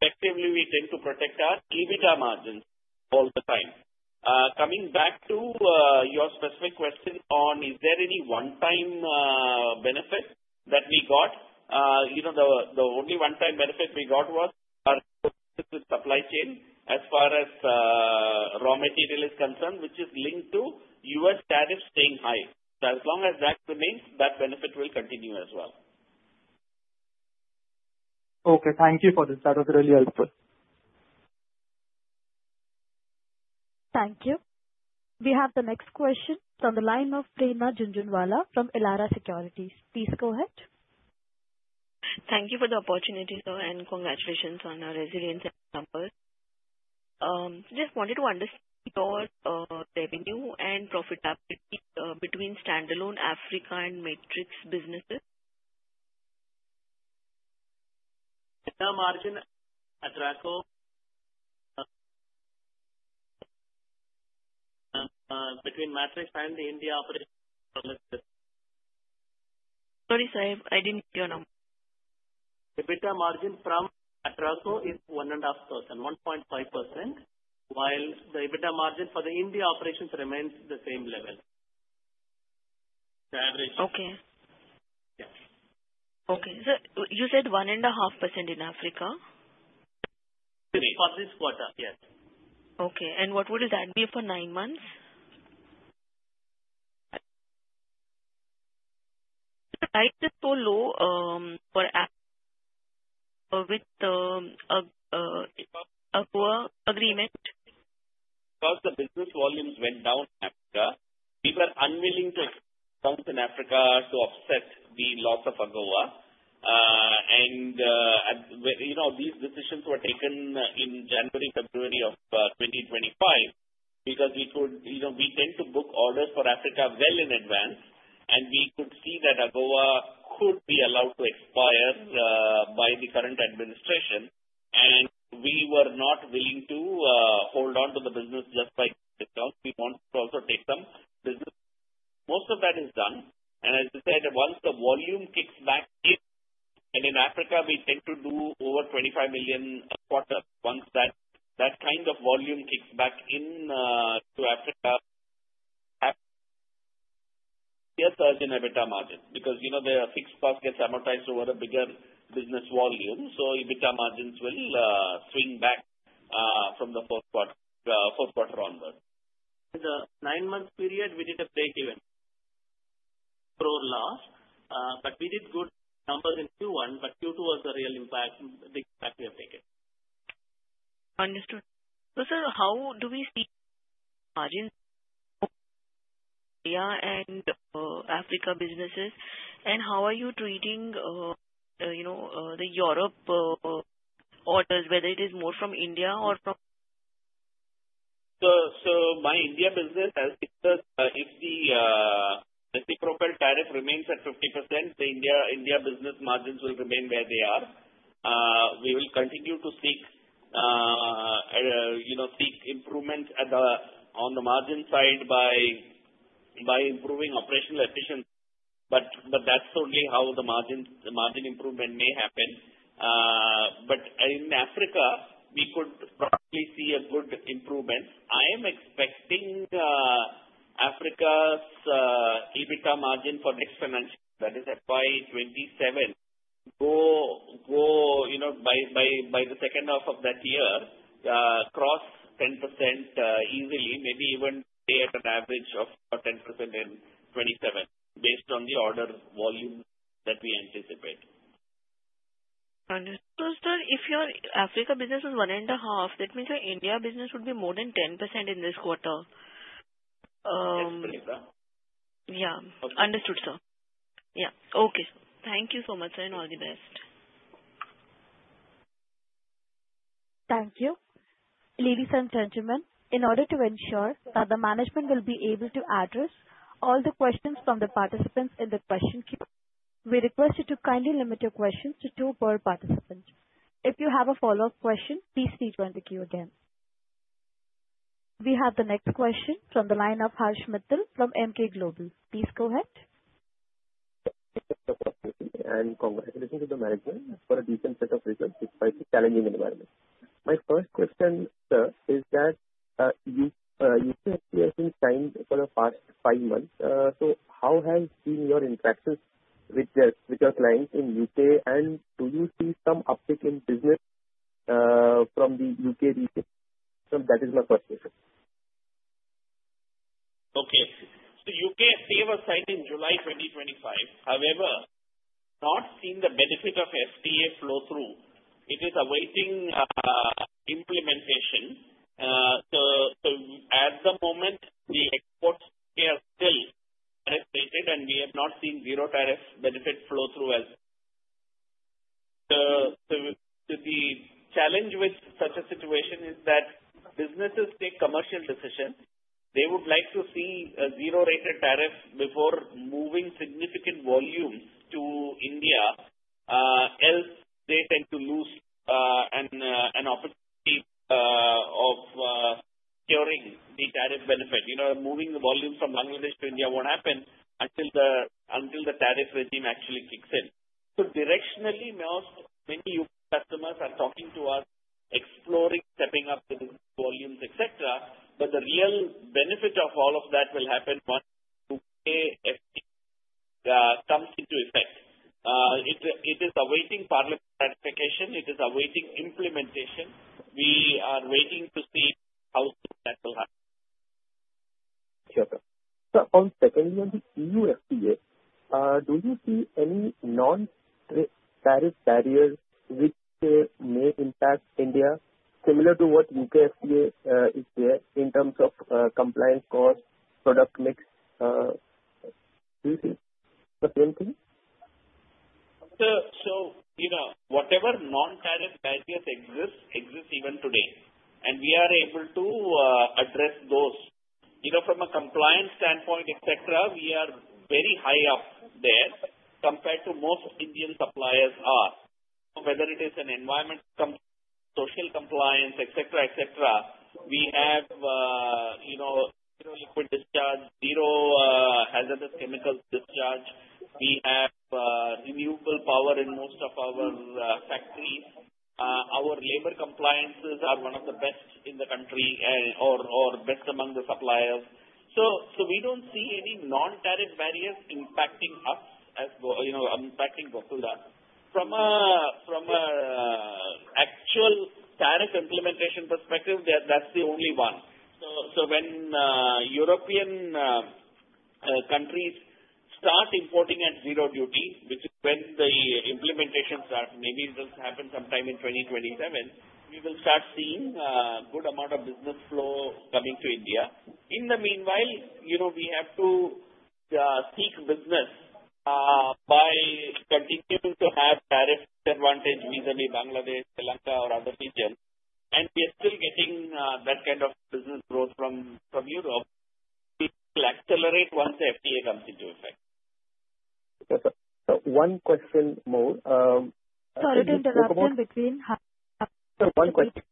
Effectively, we tend to protect our EBITDA margins all the time. Coming back to your specific question on is there any one-time benefit that we got? The only one-time benefit we got was our negotiations with supply chain as far as raw material is concerned, which is linked to U.S. tariffs staying high. So as long as that remains, that benefit will continue as well. Okay. Thank you for this. That was really helpful. Thank you. We have the next question from the line of Prerna Jhunjhunwala from Elara Securities. Please go ahead. Thank you for the opportunity, sir, and congratulations on your resilience example. Just wanted to understand your revenue and profitability between standalone Africa and Matrix businesses. EBITDA margin at Atraco between Matrix and the India operations. Sorry, sir. I didn't hear your number. EBITDA margin from Atraco is 1.5%, while the EBITDA margin for the India operations remains the same level. Same ratio. Okay. Okay. So you said 1.5% in Africa? For this quarter. Yes. Okay. And what would that be for nine months? The price is so low with AGOA agreement. Because the business volumes went down after, we were unwilling to accept discounts in Africa to offset the loss of AGOA. These decisions were taken in January, February of 2025 because we tend to book orders for Africa well in advance, and we could see that AGOA could be allowed to expire by the current administration. We were not willing to hold onto the business just by discounts. We wanted to also take some business. Most of that is done. As I said, once the volume kicks back in, and in Africa, we tend to do over $25 million a quarter. Once that kind of volume kicks back into Africa, there's a surge in EBITDA margins because the fixed cost gets amortized over a bigger business volume. So EBITDA margins will swing back from the fourth quarter onward. In the nine-month period, we did a break-even for our loss, but we did good numbers in Q1. But Q2 was the real impact, the impact we have taken. Understood. So sir, how do we see margins in India and Africa businesses? And how are you treating the Europe orders, whether it is more from India or from? So my India business, if the proposed tariff remains at 50%, the India business margins will remain where they are. We will continue to seek improvements on the margin side by improving operational efficiency. But that's only how the margin improvement may happen. But in Africa, we could probably see a good improvement. I am expecting Africa's EBITDA margin for next financial year, that is FY 2027, to go by the second half of that year across 10% easily, maybe even stay at an average of 10% in 2027 based on the order volume that we anticipate. Understood. So sir, if your Africa business is 1.5%, that means your India business would be more than 10% in this quarter. Yes, sir. Yeah. Understood, sir. Yeah. Okay. Thank you so much, sir, and all the best. Thank you. Ladies and gentlemen, in order to ensure that the management will be able to address all the questions from the participants in the question queue, we request you to kindly limit your questions to two per participant. If you have a follow-up question, please rejoin the queue again. We have the next question from the line of Harsh Mittal from Emkay Global. Please go ahead. Congratulations to the management for a decent set of results despite the challenging environment. My first question, sir, is that U.K. has been shining for the past five months. How have been your interactions with your clients in U.K.? Do you see some uptick in business from the U.K. region? That is my first question. Okay. So U.K. FTA was signed in July 2025. However, not seeing the benefit of FTA flow through. It is awaiting implementation. So at the moment, the exports are still tariff-related, and we have not seen zero tariff benefit flow through as well. So the challenge with such a situation is that businesses take commercial decisions. They would like to see a zero-rated tariff before moving significant volumes to India, else they tend to lose an opportunity of securing the tariff benefit. Moving the volumes from Bangladesh to India won't happen until the tariff regime actually kicks in. So directionally, many U.K. customers are talking to us, exploring, stepping up the volumes, etc. But the real benefit of all of that will happen once U.K. FTA comes into effect. It is awaiting Parliament ratification. It is awaiting implementation. We are waiting to see how soon that will happen. Sure, sir. Sir, on second line, the EU FTA, do you see any non-tariff barriers which may impact India similar to what U.K. FTA is there in terms of compliance cost, product mix? Do you see the same thing? So whatever non-tariff barriers exist, exist even today. We are able to address those. From a compliance standpoint, etc., we are very high up there compared to most Indian suppliers are. Whether it is an environment, social compliance, etc., etc., we have zero liquid discharge, zero hazardous chemicals discharge. We have renewable power in most of our factories. Our labor compliances are one of the best in the country or best among the suppliers. So we don't see any non-tariff barriers impacting us as impacting Gokaldas. From an actual tariff implementation perspective, that's the only one. So when European countries start importing at zero duty, which is when the implementations start, maybe it will happen sometime in 2027, we will start seeing a good amount of business flow coming to India. In the meanwhile, we have to seek business by continuing to have tariff advantage vis-à-vis Bangladesh, Sri Lanka, or other regions. We are still getting that kind of business growth from Europe. It will accelerate once the FTA comes into effect. Yes, sir. So one question more. Sorry to interrupt in between. Sir, one question.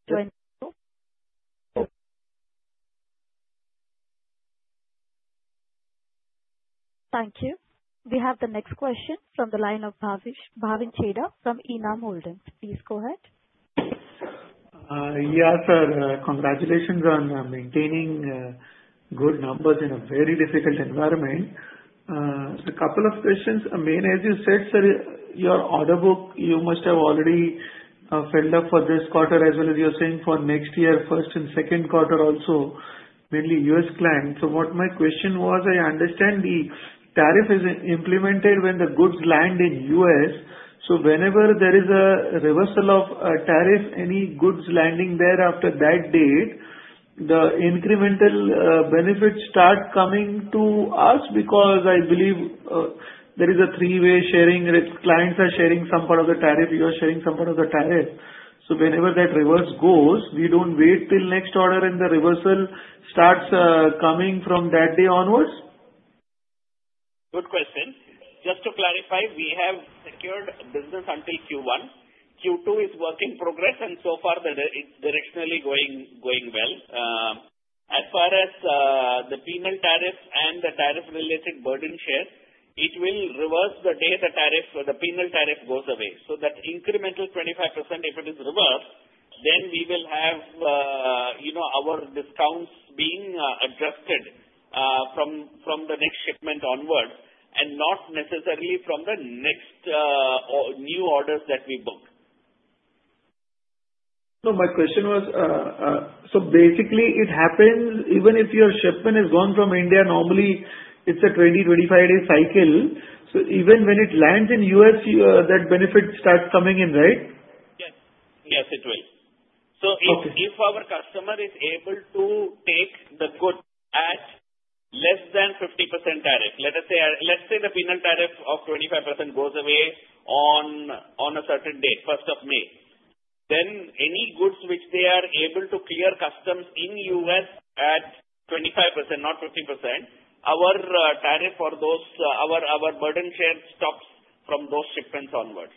Thank you. We have the next question from the line of Bhavin Chheda from Enam Holdings. Please go ahead. Yeah, sir. Congratulations on maintaining good numbers in a very difficult environment. So a couple of questions. I mean, as you said, sir, your order book, you must have already filled up for this quarter as well as you're saying for next year, first and second quarter also, mainly U.S. clients. So what my question was, I understand the tariff is implemented when the goods land in U.S. So whenever there is a reversal of tariff, any goods landing there after that date, the incremental benefits start coming to us because I believe there is a three-way sharing. Clients are sharing some part of the tariff. You are sharing some part of the tariff. So whenever that reversal goes, we don't wait till next order and the reversal starts coming from that day onwards? Good question. Just to clarify, we have secured business until Q1. Q2 is work in progress, and so far, it's directionally going well. As far as the penal tariff and the tariff-related burden share, it will reverse the day the penal tariff goes away. So that incremental 25%, if it is reversed, then we will have our discounts being adjusted from the next shipment onwards and not necessarily from the next new orders that we book. My question was, so basically, it happens even if your shipment has gone from India. Normally, it's a 20-25-day cycle. So even when it lands in the U.S., that benefit starts coming in, right? Yes. Yes, it will. So if our customer is able to take the goods at less than 50% tariff, let's say the penal tariff of 25% goes away on a certain date, 1st of May, then any goods which they are able to clear customs in U.S. at 25%, not 50%, our tariff for those our burden share stops from those shipments onwards.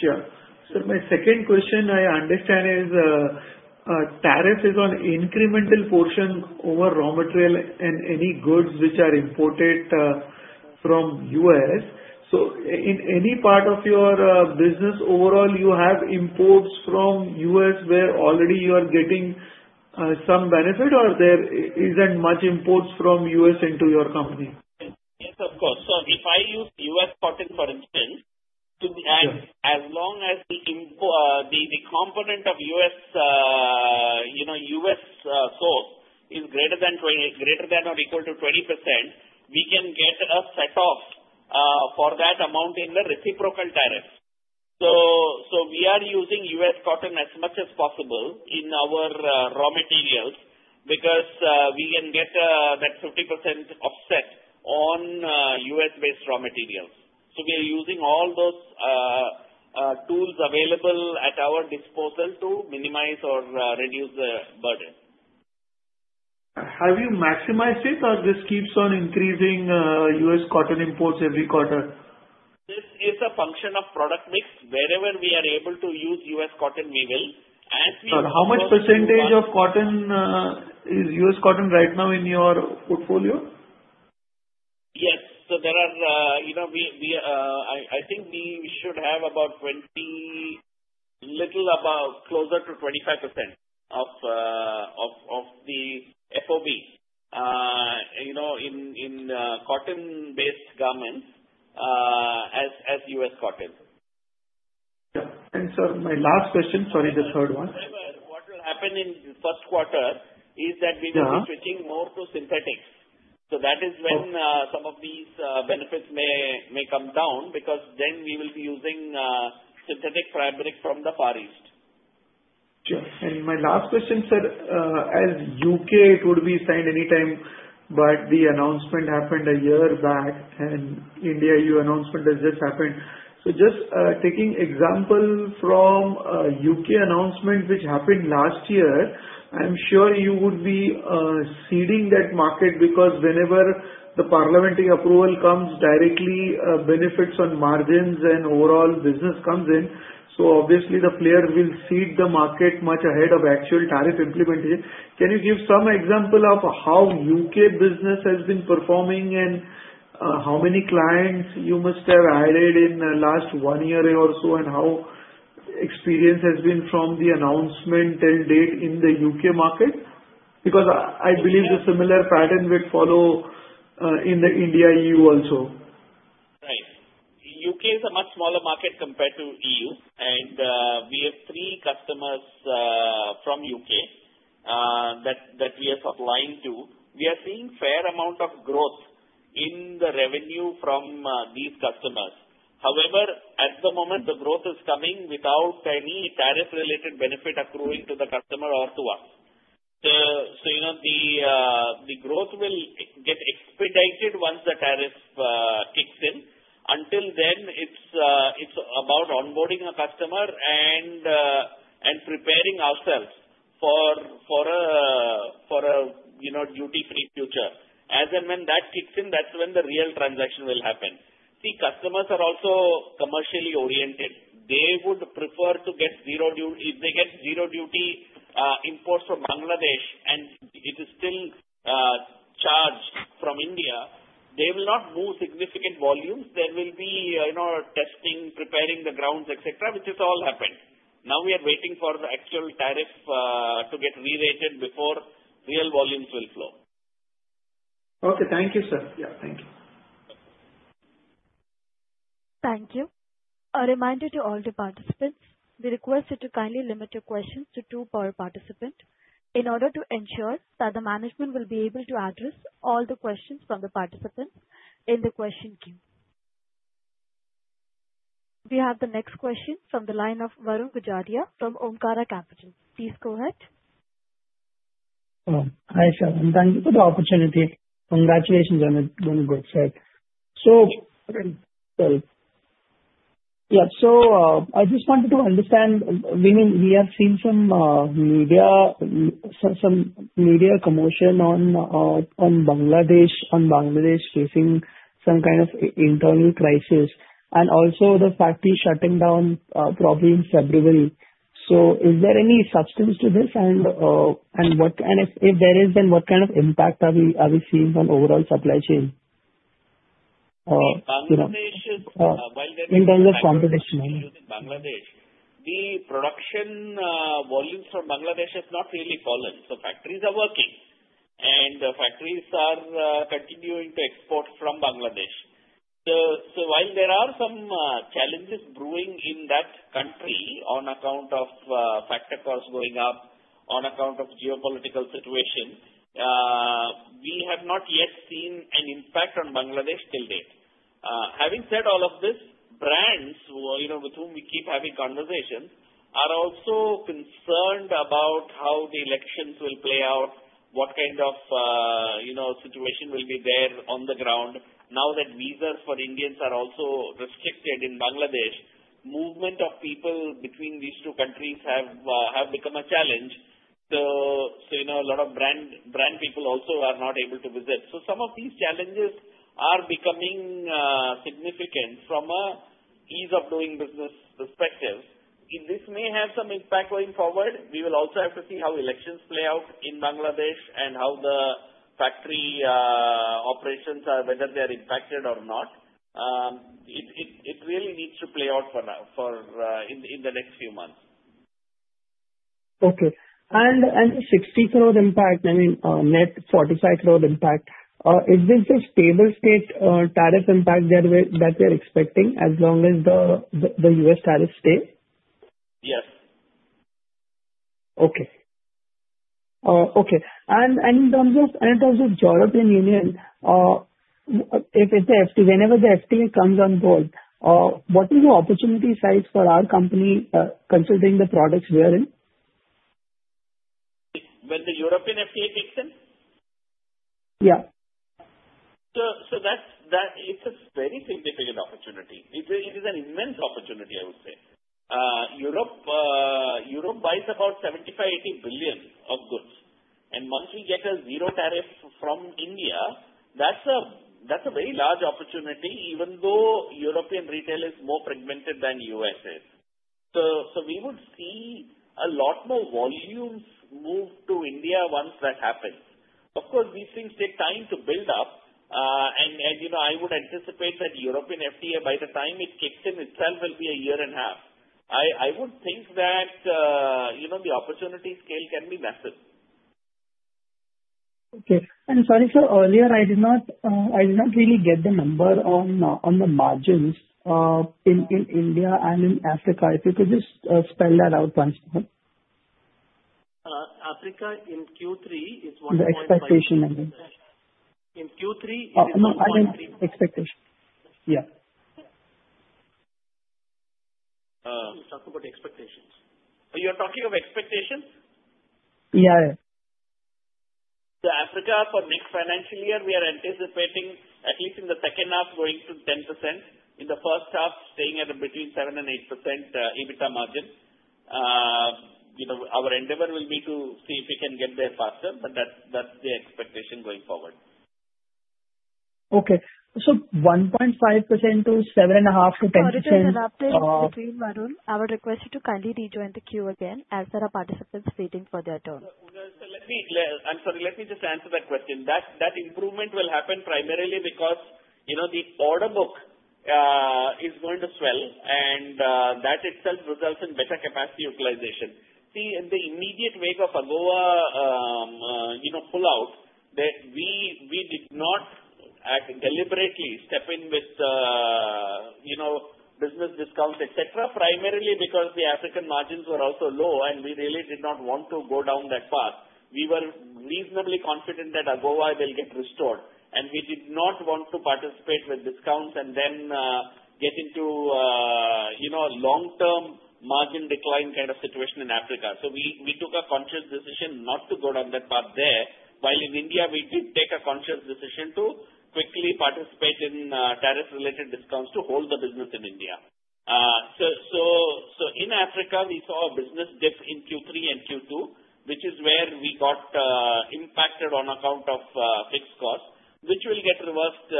Sure. Sir, my second question, I understand, is tariff is on incremental portion over raw material and any goods which are imported from U.S. So in any part of your business overall, you have imports from U.S. where already you are getting some benefit, or there isn't much imports from U.S. into your company? Yes, of course. So if I use U.S. cotton, for instance, and as long as the component of U.S. source is greater than or equal to 20%, we can get a setoff for that amount in the reciprocal tariff. So we are using U.S. cotton as much as possible in our raw materials because we can get that 50% offset on U.S.-based raw materials. So we are using all those tools available at our disposal to minimize or reduce the burden. Have you maximized it, or this keeps on increasing U.S. cotton imports every quarter? This is a function of product mix. Wherever we are able to use U.S. cotton, we will. And we. Sir, how much percentage of cotton is U.S. cotton right now in your portfolio? Yes. So there are I think we should have about 20%, a little closer to 25% of the FOB in cotton-based garments as U.S. cotton. Sure. Sir, my last question, sorry, the third one. What will happen in the first quarter is that we will be switching more to synthetics. So that is when some of these benefits may come down because then we will be using synthetic fabric from the Far East. Sure. And my last question, sir, as U.K., it would be signed anytime, but the announcement happened a year back, and in the EU, announcement has just happened. So just taking example from a U.K. announcement which happened last year, I'm sure you would be seeding that market because whenever the parliamentary approval comes, directly benefits on margins and overall business comes in. So obviously, the players will seed the market much ahead of actual tariff implementation. Can you give some example of how U.K. business has been performing and how many clients you must have added in the last one year or so and how experience has been from the announcement till date in the U.K. market? Because I believe a similar pattern would follow in the India-EU also. Right. U.K. is a much smaller market compared to EU, and we have three customers from U.K. that we are supplying to. We are seeing a fair amount of growth in the revenue from these customers. However, at the moment, the growth is coming without any tariff-related benefit accruing to the customer or to us. So the growth will get expedited once the tariff kicks in. Until then, it's about onboarding a customer and preparing ourselves for a duty-free future. As and when that kicks in, that's when the real transaction will happen. See, customers are also commercially oriented. They would prefer to get zero duty. If they get zero duty imports from Bangladesh and it is still charged from India, they will not move significant volumes. There will be testing, preparing the grounds, etc., which has all happened. Now we are waiting for the actual tariff to get re-rated before real volumes will flow. Okay. Thank you, sir. Yeah, thank you. Thank you. A reminder to all the participants, we request you to kindly limit your questions to two per participant in order to ensure that the management will be able to address all the questions from the participants in the question queue. We have the next question from the line of Varun Gajaria from Omkara Capital. Please go ahead. Hi, sir. Thank you for the opportunity. Congratulations, sir. So yeah, so I just wanted to understand. I mean, we have seen some media commotion on Bangladesh facing some kind of internal crisis and also the factory shutting down probably in February. So is there any substance to this, and if there is, then what kind of impact are we seeing on overall supply chain? In terms of competition, I mean, Bangladesh, the production volumes from Bangladesh have not really fallen. So factories are working, and factories are continuing to export from Bangladesh. So while there are some challenges brewing in that country on account of factor costs going up, on account of geopolitical situation, we have not yet seen an impact on Bangladesh till date. Having said all of this, brands with whom we keep having conversations are also concerned about how the elections will play out, what kind of situation will be there on the ground. Now that visas for Indians are also restricted in Bangladesh, movement of people between these two countries have become a challenge. So a lot of brand people also are not able to visit. So some of these challenges are becoming significant from an ease-of-doing business perspective. This may have some impact going forward. We will also have to see how elections play out in Bangladesh and how the factory operations are, whether they are impacted or not. It really needs to play out in the next few months. Okay. 60 crore impact, I mean, net 45 crore impact, is this a stable state tariff impact that we are expecting as long as the U.S. tariffs stay? Yes. Okay. Okay. In terms of European Union, whenever the FTA comes on board, what is the opportunity size for our company considering the products we are in? When the European FTA kicks in? Yeah. It's a very significant opportunity. It is an immense opportunity, I would say. Europe buys about $75 billion-$80 billion of goods. Once we get a zero tariff from India, that's a very large opportunity even though European retail is more fragmented than U.S. is. So we would see a lot more volumes move to India once that happens. Of course, these things take time to build up, and I would anticipate that European FTA, by the time it kicks in itself, will be a year and a half. I would think that the opportunity scale can be massive. Okay. Sorry, sir, earlier, I did not really get the number on the margins in India and in Africa. If you could just spell that out once more. Africa in Q3 is 1.3%. The expectation, I mean. In Q3, it is 1.3%. Oh, no. I didn't expectation. Yeah. You talk about expectations. You're talking of expectations? Yeah, yeah. So Africa for next financial year, we are anticipating, at least in the second half, going to 10%. In the first half, staying at between 7% and 8% EBITDA margin. Our endeavor will be to see if we can get there faster, but that's the expectation going forward. Okay. So 1.5% to 7.5% to 10%. Varun has disconnected. Varun, I would request you to kindly rejoin the queue again as our participants are waiting for their turn. So, I'm sorry. Let me just answer that question. That improvement will happen primarily because the order book is going to swell, and that itself results in better capacity utilization. See, in the immediate wake of AGOA pullout, we did not deliberately step in with business discounts, etc., primarily because the African margins were also low, and we really did not want to go down that path. We were reasonably confident that AGOA will get restored, and we did not want to participate with discounts and then get into a long-term margin decline kind of situation in Africa. So we took a conscious decision not to go down that path there, while in India, we did take a conscious decision to quickly participate in tariff-related discounts to hold the business in India. In Africa, we saw a business dip in Q3 and Q2, which is where we got impacted on account of fixed costs, which will get reversed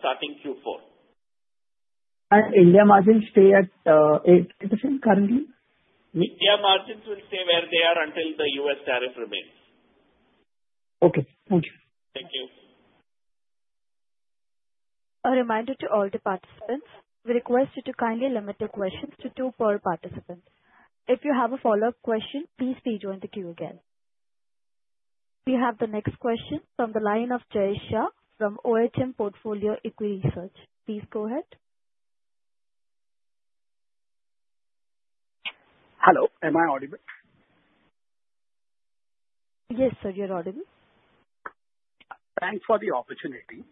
starting Q4. India margins stay at 8% currently? India margins will stay where they are until the U.S. tariff remains. Okay. Thank you. Thank you. A reminder to all the participants, we request you to kindly limit your questions to two per participant. If you have a follow-up question, please rejoin the queue again. We have the next question from the line of Jayesh Shah from Ohm Portfolio Equity Research. Please go ahead. Hello. Am I audible? Yes, sir. You're audible. Thanks for the opportunity.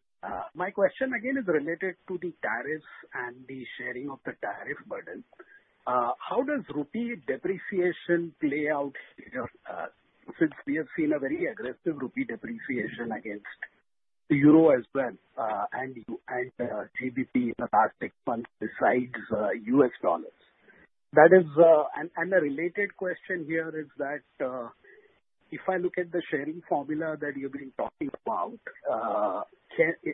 My question, again, is related to the tariffs and the sharing of the tariff burden. How does rupee depreciation play out here since we have seen a very aggressive rupee depreciation against the euro as well and GBP in the last six months besides U.S. dollars? And a related question here is that if I look at the sharing formula that you've been talking about,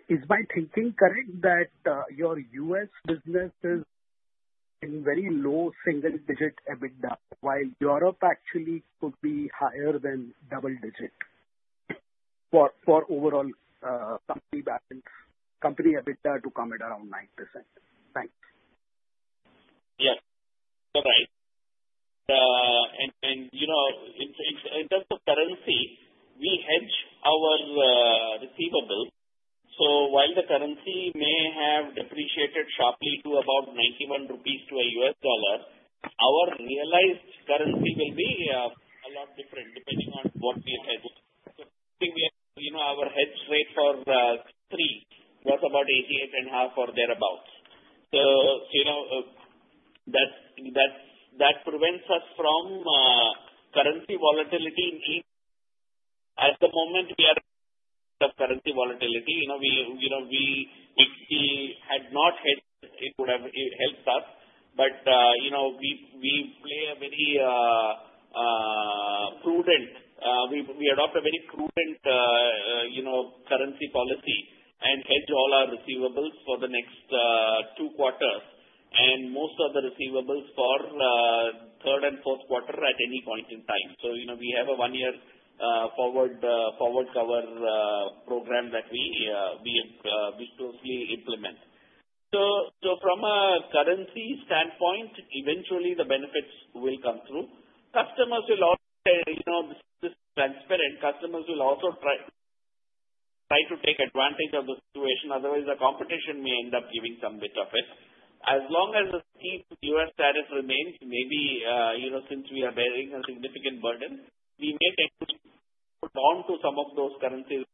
is my thinking correct that your U.S. business is in very low single-digit EBITDA while Europe actually could be higher than double-digit for overall company EBITDA to come at around 9%? Thanks. Yes. All right. In terms of currency, we hedge our receivables. So while the currency may have depreciated sharply to about 91 rupees to $1, our realized currency will be a lot different depending on what we are hedging. So I think our hedge rate for Q3 was about 88.5 or thereabouts. So that prevents us from currency volatility. At the moment, we are in a state of currency volatility. We had not hedged. It would have helped us, but we adopt a very prudent currency policy and hedge all our receivables for the next two quarters and most of the receivables for third and fourth quarter at any point in time. So we have a one-year forward cover program that we closely implement. So from a currency standpoint, eventually, the benefits will come through. Customers will also say this is transparent. Customers will also try to take advantage of the situation. Otherwise, the competition may end up giving some bit of it. As long as the U.S. tariff remains, maybe since we are bearing a significant burden, we may tend to hold on to some of those currencies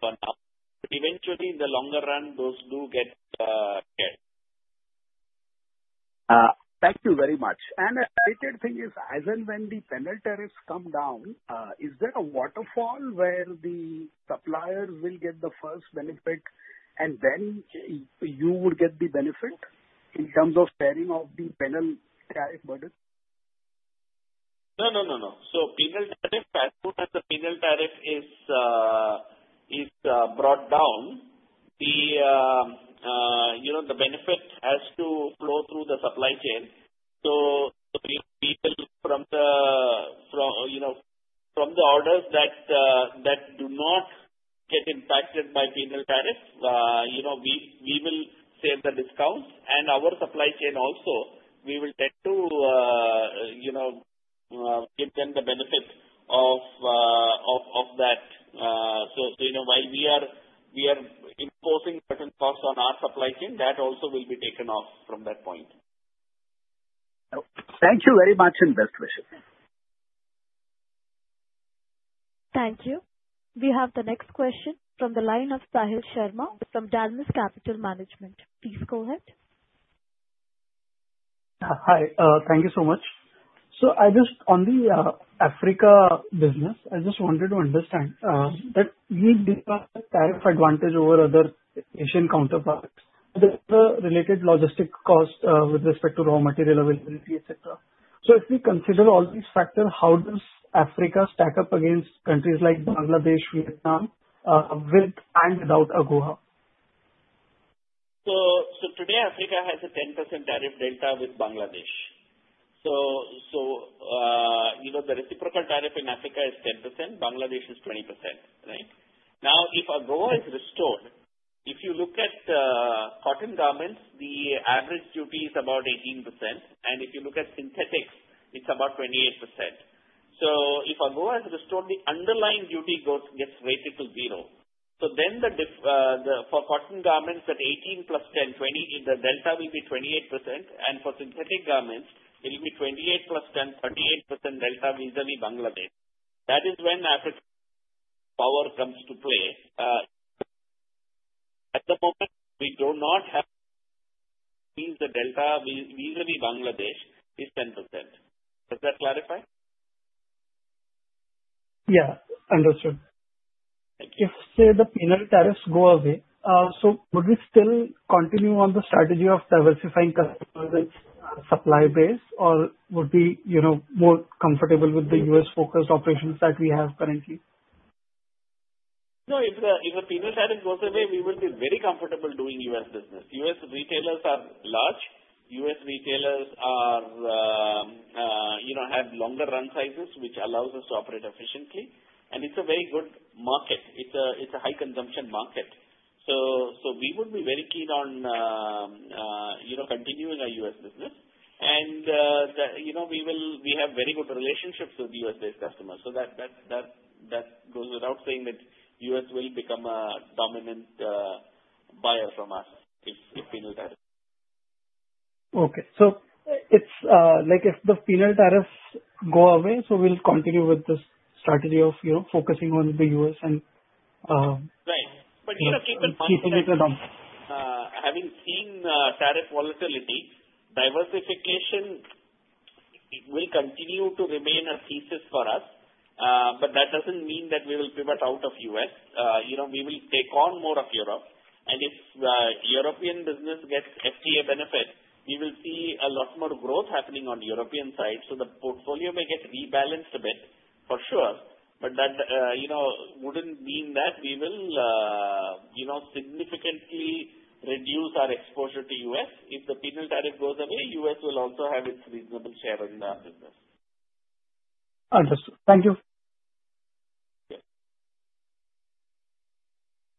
for now. But eventually, in the longer run, those do get shared. Thank you very much. The updated thing is, as and when the penalty tariffs come down, is there a waterfall where the suppliers will get the first benefit and then you would get the benefit in terms of sharing of the penalty tariff burden? No, no, no, no. So as soon as the penalty tariff is brought down, the benefit has to flow through the supply chain. So people from the orders that do not get impacted by penalty tariffs, we will save the discounts. And our supply chain also, we will tend to give them the benefit of that. So while we are imposing certain costs on our supply chain, that also will be taken off from that point. Thank you very much and best wishes. Thank you. We have the next question from the line of Sahil Sharma from Dalmus Capital Management. Please go ahead. Hi. Thank you so much. So on the Africa business, I just wanted to understand that we do have a tariff advantage over other Asian counterparts. There's a related logistic cost with respect to raw material availability, etc. So if we consider all these factors, how does Africa stack up against countries like Bangladesh, Vietnam, with and without AGOA? So today, Africa has a 10% tariff delta with Bangladesh. So the reciprocal tariff in Africa is 10%. Bangladesh is 20%, right? Now, if AGOA is restored, if you look at cotton garments, the average duty is about 18%. And if you look at synthetics, it's about 28%. So if AGOA is restored, the underlying duty gets rated to zero. So then for cotton garments at 18 + 10, the delta will be 28%. And for synthetic garments, it will be 28 + 10, 38% delta vis-à-vis Bangladesh. That is when Africa's power comes to play. At the moment, we do not have the delta vis-à-vis Bangladesh is 10%. Does that clarify? Yeah. Understood. Thank you. If, say, the penalty tariffs go away, so would we still continue on the strategy of diversifying customers and supply base, or would we be more comfortable with the U.S.-focused operations that we have currently? No. If the penalty tariff goes away, we will be very comfortable doing U.S. business. U.S. retailers are large. U.S. retailers have longer run sizes, which allows us to operate efficiently. It's a very good market. It's a high-consumption market. We would be very keen on continuing our U.S. business. We have very good relationships with U.S.-based customers. That goes without saying that U.S. will become a dominant buyer from us if penalty tariffs go away. Okay. So if the penalty tariffs go away, so we'll continue with this strategy of focusing on the U.S. and. Right. But keeping it around. Having seen tariff volatility, diversification will continue to remain a thesis for us. But that doesn't mean that we will pivot out of U.S. We will take on more of Europe. And if European business gets FTA benefits, we will see a lot more growth happening on the European side. So the portfolio may get rebalanced a bit, for sure. But that wouldn't mean that we will significantly reduce our exposure to U.S. If the penalty tariff goes away, U.S. will also have its reasonable share in our business. Understood. Thank you. Yes.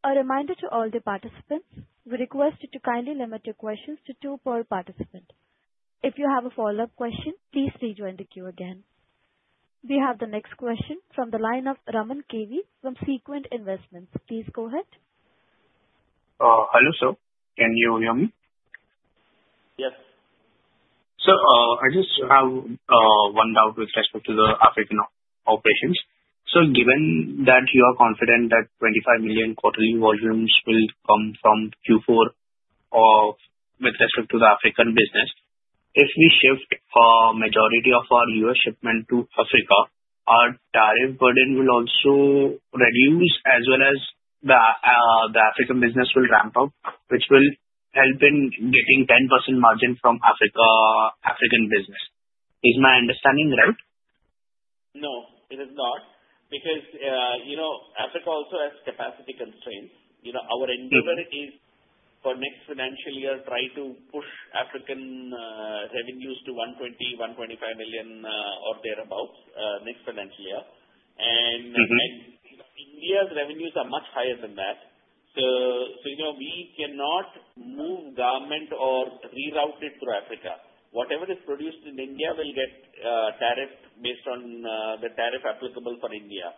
A reminder to all the participants, we request you to kindly limit your questions to two per participant. If you have a follow-up question, please rejoin the queue again. We have the next question from the line of Raman Kerti from Sequent Investments. Please go ahead. Hello, sir. Can you hear me? Yes. I just have one doubt with respect to the African operations. Given that you are confident that 25 million quarterly volumes will come from Q4 with respect to the African business, if we shift a majority of our U.S. shipment to Africa, our tariff burden will also reduce as well as the African business will ramp up, which will help in getting 10% margin from African business. Is my understanding right? No, it is not because Africa also has capacity constraints. Our endeavor is, for next financial year, to try to push African revenues to $120 million-$125 million or thereabouts next financial year. India's revenues are much higher than that. We cannot move garment or reroute it through Africa. Whatever is produced in India will get tariff based on the tariff applicable for India.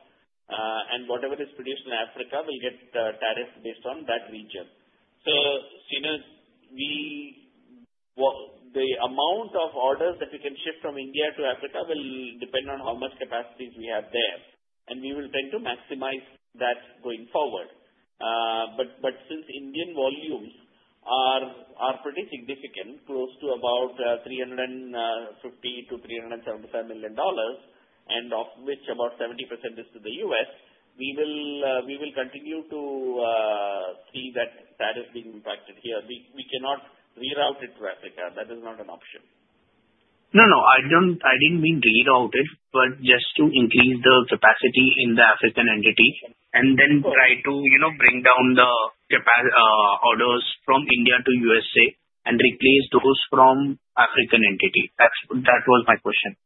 Whatever is produced in Africa will get tariff based on that region. The amount of orders that we can shift from India to Africa will depend on how much capacities we have there. We will tend to maximize that going forward. But since Indian volumes are pretty significant, close to about $350 million-$375 million, and of which about 70% is to the U.S., we will continue to see that tariff being impacted here. We cannot reroute it to Africa. That is not an option. No, no. I didn't mean reroute it, but just to increase the capacity in the African entity and then try to bring down the orders from India to U.S.A and replace those from African entity. That was my question.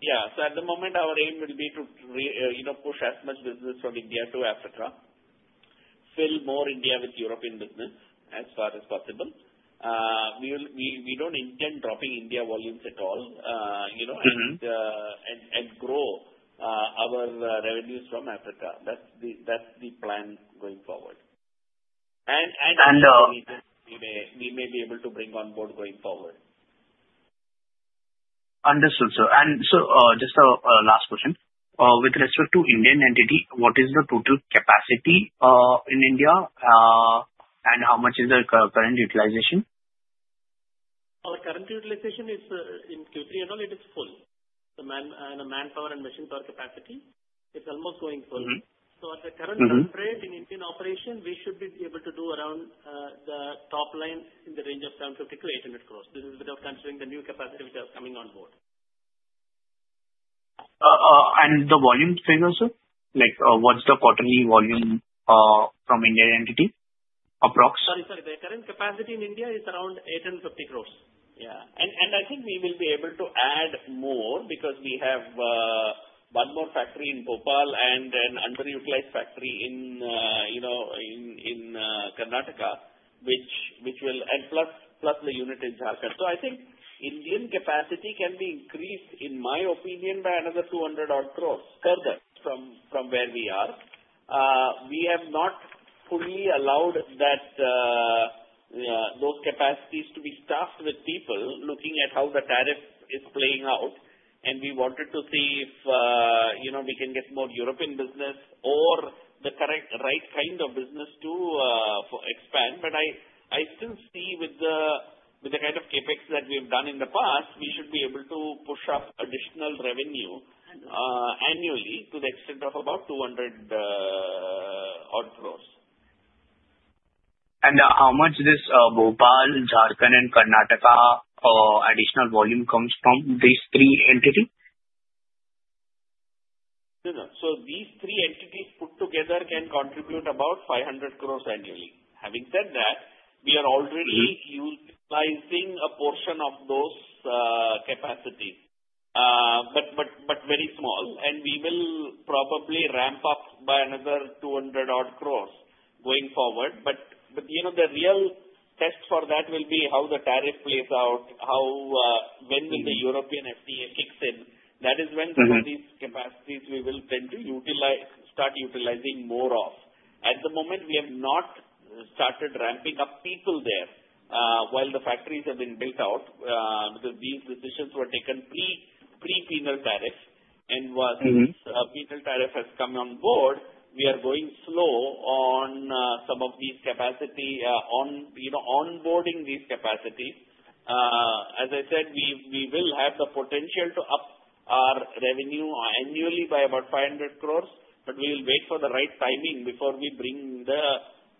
Yeah. So at the moment, our aim will be to push as much business from India to Africa, fill more India with European business as far as possible. We don't intend dropping India volumes at all and grow our revenues from Africa. That's the plan going forward. And we may be able to bring onboard going forward. Understood, sir. And so just a last question. With respect to Indian entity, what is the total capacity in India, and how much is the current utilization? The current utilization is in Q3 alone. It is full. The manpower and machine power capacity, it's almost going full. At the current run rate in Indian operation, we should be able to do around the top line in the range of 750 crores-800 crores. This is without considering the new capacity which are coming onboard. The volume figure, sir? What's the quarterly volume from India entity, approximately? Sorry, sorry. The current capacity in India is around 850 crores. Yeah. And I think we will be able to add more because we have one more factory in Bhopal and an underutilized factory in Karnataka, and plus the unit in Jharkhand. So I think Indian capacity can be increased, in my opinion, by another 200-odd crores further from where we are. We have not fully allowed those capacities to be staffed with people looking at how the tariff is playing out. And we wanted to see if we can get more European business or the right kind of business to expand. But I still see with the kind of CapEx that we've done in the past, we should be able to push up additional revenue annually to the extent of about 200-odd crores. How much does Bhopal, Jharkhand, and Karnataka additional volume come from these three entities? No, no. So these three entities put together can contribute about 500 crore annually. Having said that, we are already utilizing a portion of those capacities, but very small. We will probably ramp up by another 200-odd crore going forward. But the real test for that will be how the tariff plays out, when the European FTA kicks in. That is when some of these capacities we will tend to start utilizing more of. At the moment, we have not started ramping up people there while the factories have been built out because these decisions were taken pre-penalty tariff. And since penalty tariff has come onboard, we are going slow on some of these capacity onboarding these capacities. As I said, we will have the potential to up our revenue annually by about 500 crore, but we will wait for the right timing before we bring the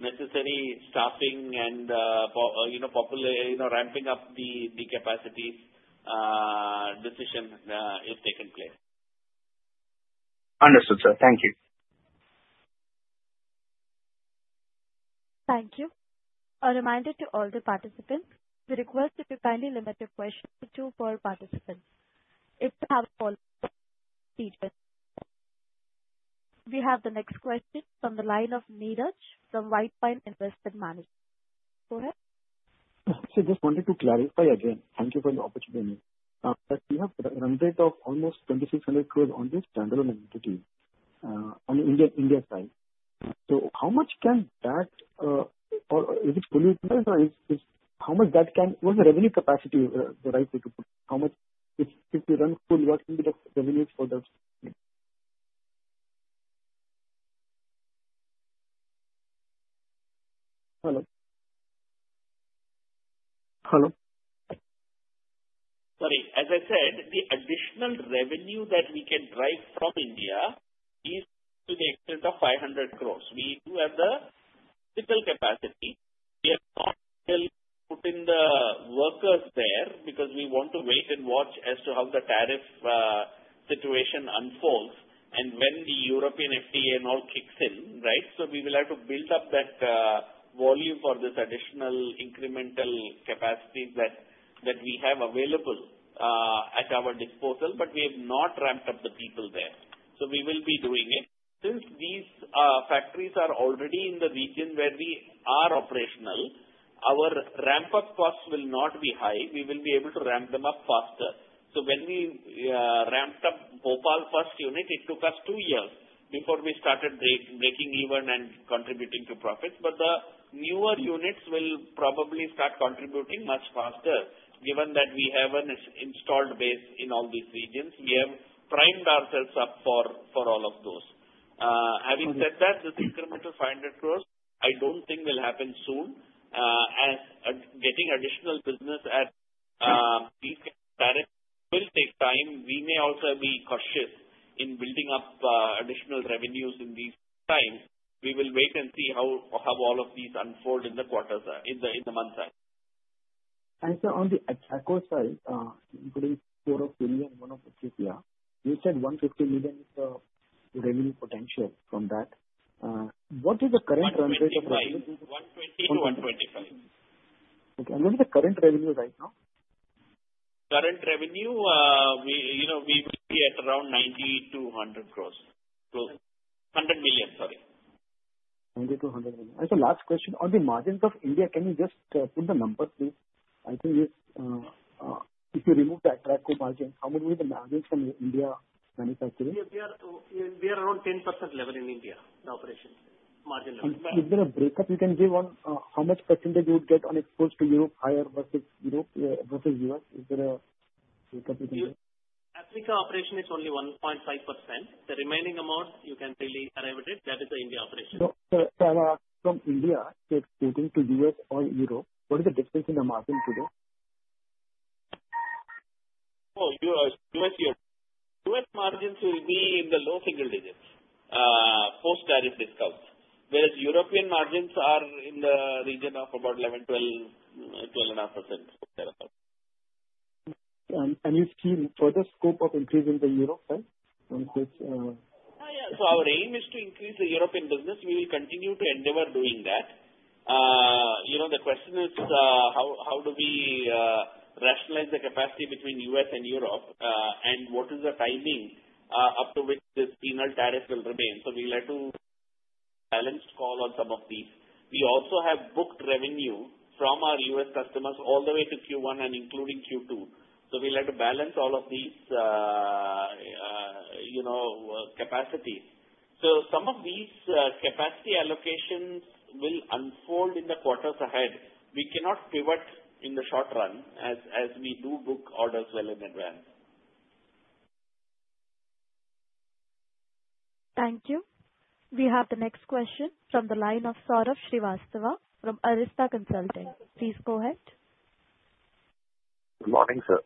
necessary staffing and ramping up the capacities decision is taken place. Understood, sir. Thank you. Thank you. A reminder to all the participants, we request you to kindly limit your questions to two per participant. If you have a follow-up question, please do. We have the next question from the line of Niraj from White Pine Investment Management. Go ahead. So I just wanted to clarify again. Thank you for the opportunity. We have a run rate of almost 2,600 crores on this standalone entity on India side. So how much can that or is it fully utilized? Or how much that can what's the revenue capacity, the right way to put it? If we run full, what can be the revenues for that? Hello? Hello? Sorry. As I said, the additional revenue that we can drive from India is to the extent of 500 crore. We do have the physical capacity. We have not yet put in the workers there because we want to wait and watch as to how the tariff situation unfolds and when the European FTA and all kicks in, right? So we will have to build up that volume for this additional incremental capacity that we have available at our disposal. But we have not ramped up the people there. So we will be doing it. Since these factories are already in the region where we are operational, our ramp-up costs will not be high. We will be able to ramp them up faster. So when we ramped up Bhopal first unit, it took us two years before we started breaking even and contributing to profits. But the newer units will probably start contributing much faster given that we have an installed base in all these regions. We have primed ourselves up for all of those. Having said that, this incremental 500 crore, I don't think will happen soon. Getting additional business at these tariffs will take time. We may also be cautious in building up additional revenues in these times. We will wait and see how all of these unfold in the months ahead. And so on the Atraco side, including four in India and one in Ethiopia, you said 150 million is the revenue potential from that. What is the current run rate of revenue? 120 million-125 million. Okay. And what is the current revenue right now? Current revenue, we will be at around 90 crore-100 crore. 100 million, sorry. 90 million-100 million. Last question, on the margins of India, can you just put the numbers, please? I think if you remove the Atraco margins, how much will be the margins from India manufacturing? We are around 10% level in India, the operating margin level. Is there a breakdown you can give on how much percentage you would get on exports to Europe higher versus U.S.? Is there a breakdown you can give? Africa operation is only 1.5%. The remaining amount, you can really arrive at it. That is the India operation. I want to ask from India, if it's exporting to U.S. or Europe, what is the difference in the margin today? Oh, U.S.-Europe. U.S. margins will be in the low single digits post-tariff discounts, whereas European margins are in the region of about 11%, 12%, 12.5%, thereabouts. You still further scope of increasing the Europe side on this? Oh, yeah. So our aim is to increase the European business. We will continue to endeavor doing that. The question is, how do we rationalize the capacity between U.S. and Europe, and what is the timing up to which this penalty tariff will remain? So we'll have to balance call on some of these. We also have booked revenue from our U.S. customers all the way to Q1 and including Q2. So we'll have to balance all of these capacities. So some of these capacity allocations will unfold in the quarters ahead. We cannot pivot in the short run as we do book orders well in advance. Thank you. We have the next question from the line of Saurabh Srivastava from Arista Consulting. Please go ahead. Good morning, sir.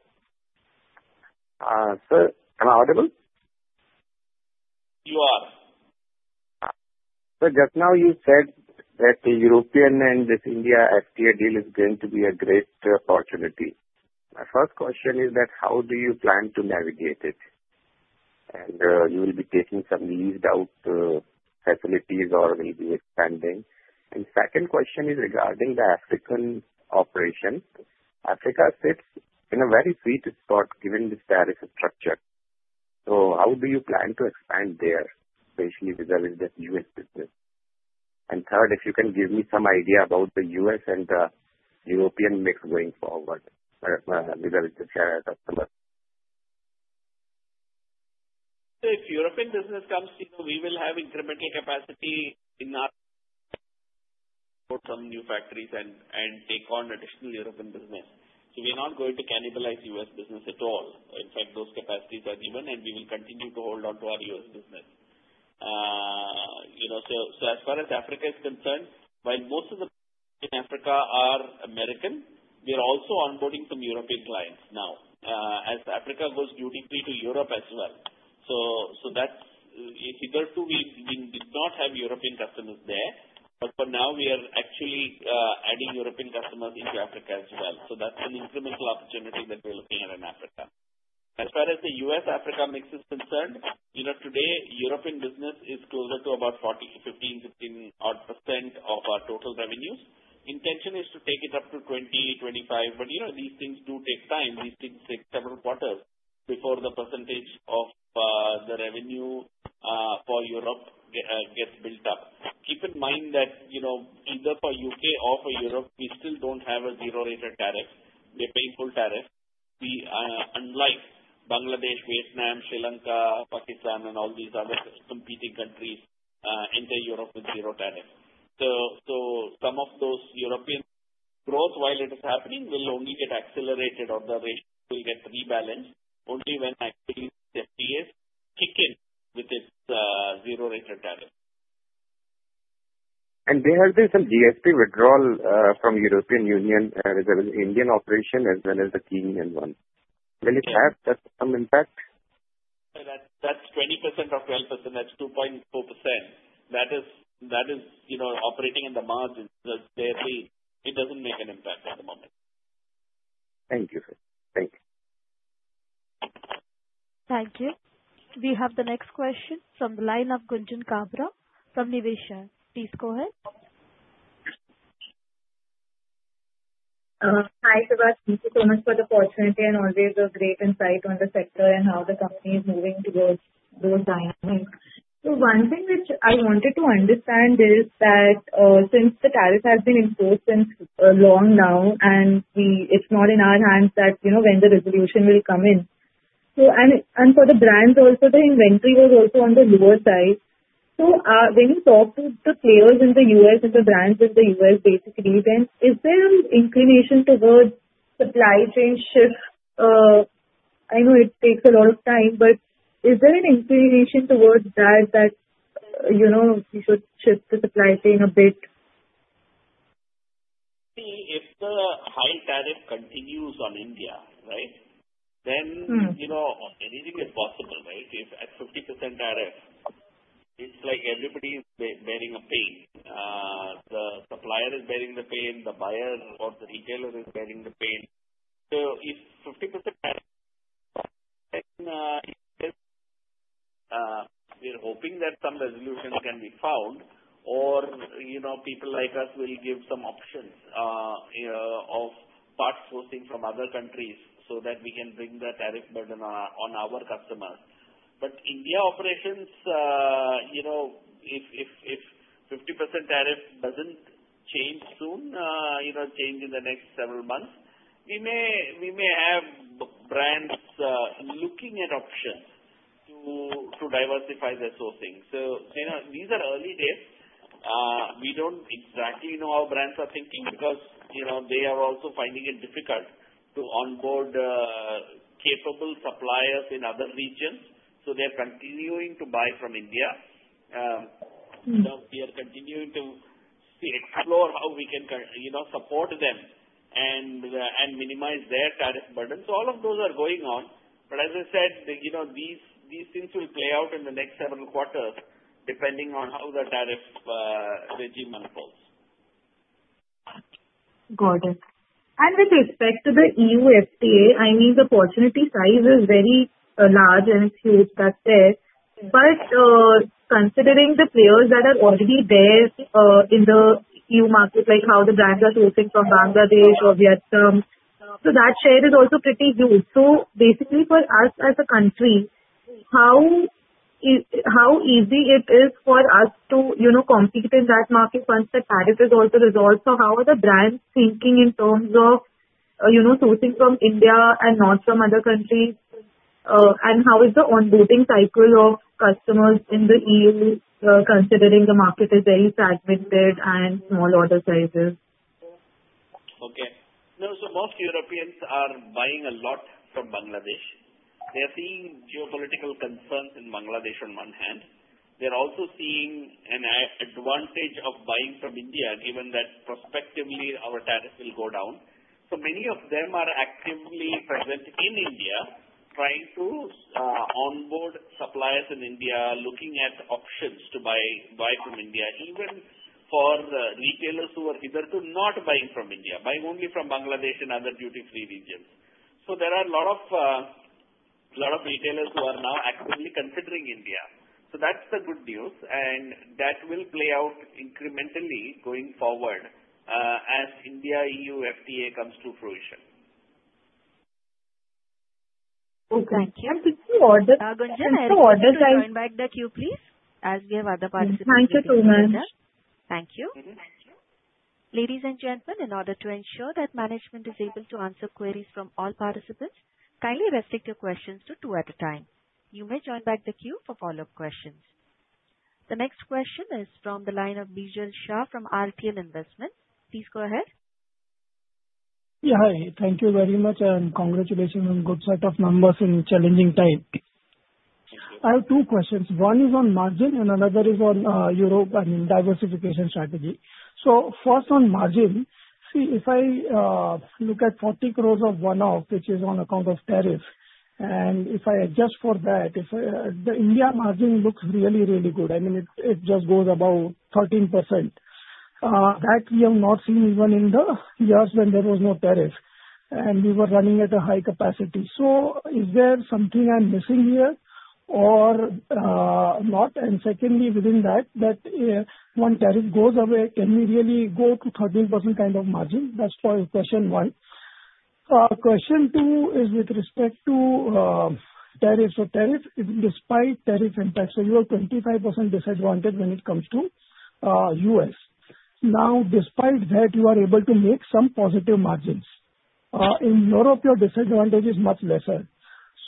Sir, am I audible? You are. Sir, just now you said that the European and this India FTA deal is going to be a great opportunity. My first question is that how do you plan to navigate it? And you will be taking some leased-out facilities or will be expanding. And the second question is regarding the African operation. Africa sits in a very sweet spot given this tariff structure. So how do you plan to expand there, especially vis-à-vis the U.S. business? And third, if you can give me some idea about the U.S. and the European mix going forward vis-à-vis the share customers. So if European business comes, we will have incremental capacity in our export some new factories and take on additional European business. So we are not going to cannibalize U.S. business at all. In fact, those capacities are given, and we will continue to hold on to our U.S. business. So as far as Africa is concerned, while most of the customers in Africa are American, we are also onboarding some European clients now as Africa goes duty-free to Europe as well. So either two, we did not have European customers there. But for now, we are actually adding European customers into Africa as well. So that's an incremental opportunity that we're looking at in Africa. As far as the U.S.-Africa mix is concerned, today, European business is closer to about 15%, 15-odd percent of our total revenues. Intention is to take it up to 20%-25%. But these things do take time. These things take several quarters before the percentage of the revenue for Europe gets built up. Keep in mind that either for U.K. or for Europe, we still don't have a zero-rate tariff. We have painful tariffs, unlike Bangladesh, Vietnam, Sri Lanka, Pakistan, and all these other competing countries enter Europe with zero tariffs. So some of those European growth, while it is happening, will only get accelerated or the ratio will get rebalanced only when actually the FTAs kick in with its zero-rate tariff. There has been some GSP withdrawal from the European Union vis-à-vis the Indian operation as well as the Kenyan one. Will it have some impact? That's 20% of 12%. That's 2.4%. That is operating in the margins. It doesn't make an impact at the moment. Thank you, sir. Thank you. Thank you. We have the next question from the line of Gunjan Kabra from Niveshaay. Please go ahead. Hi, Siva. Thank you so much for the opportunity and always a great insight on the sector and how the company is moving towards those dynamics. So one thing which I wanted to understand is that since the tariff has been enforced since long now, and it's not in our hands when the resolution will come in. And for the brands also, the inventory was also on the lower side. So when you talk to the players in the U.S. and the brands in the U.S., basically, then is there an inclination towards supply chain shift? I know it takes a lot of time, but is there an inclination towards that that we should shift the supply chain a bit? See, if the high tariff continues on India, right, then anything is possible, right? At 50% tariff, it's like everybody is bearing a pain. The supplier is bearing the pain. The buyer or the retailer is bearing the pain. So if 50% tariff, then we're hoping that some resolution can be found or people like us will give some options of parts sourcing from other countries so that we can bring the tariff burden on our customers. But India operations, if 50% tariff doesn't change soon, change in the next several months, we may have brands looking at options to diversify their sourcing. So these are early days. We don't exactly know how brands are thinking because they are also finding it difficult to onboard capable suppliers in other regions. So they are continuing to buy from India. We are continuing to explore how we can support them and minimize their tariff burden. So all of those are going on. But as I said, these things will play out in the next several quarters depending on how the tariff regime unfolds. Got it. And with respect to the EU FTA, I mean, the opportunity size is very large, and it's huge that's there. But considering the players that are already there in the EU market, like how the brands are sourcing from Bangladesh or Vietnam, so that share is also pretty huge. So basically, for us as a country, how easy it is for us to compete in that market once the tariff is also resolved? So how are the brands thinking in terms of sourcing from India and not from other countries? And how is the onboarding cycle of customers in the EU considering the market is very fragmented and small order sizes? Okay. No, so most Europeans are buying a lot from Bangladesh. They are seeing geopolitical concerns in Bangladesh on one hand. They're also seeing an advantage of buying from India given that prospectively, our tariff will go down. So many of them are actively present in India trying to onboard suppliers in India, looking at options to buy from India, even for retailers who are either not buying from India, buying only from Bangladesh and other duty-free regions. So there are a lot of retailers who are now actively considering India. So that's the good news. And that will play out incrementally going forward as India-EU FTA comes to fruition. Okay. Can we order? Gunjan, Join back the queue, please, as we have other participants in the room. Thank you so much. Thank you. Ladies and gentlemen, in order to ensure that management is able to answer queries from all participants, kindly restrict your questions to two at a time. You may join back the queue for follow-up questions. The next question is from the line of Bijal Shah from RTL Investments. Please go ahead. Yeah, hi. Thank you very much, and congratulations on a good set of numbers in a challenging time. I have two questions. One is on margin, and another is on Europe, I mean, diversification strategy. So first, on margin, see, if I look at 40 crore of one-off, which is on account of tariff, and if I adjust for that, the India margin looks really, really good. I mean, it just goes about 13%. That we have not seen even in the years when there was no tariff, and we were running at a high capacity. So is there something I'm missing here or not? And secondly, within that, that when tariff goes away, can we really go to 13% kind of margin? That's for question one. Question two is with respect to tariff. So despite tariff impact, so you are 25% disadvantaged when it comes to U.S.. Now, despite that, you are able to make some positive margins. In Europe, your disadvantage is much lesser.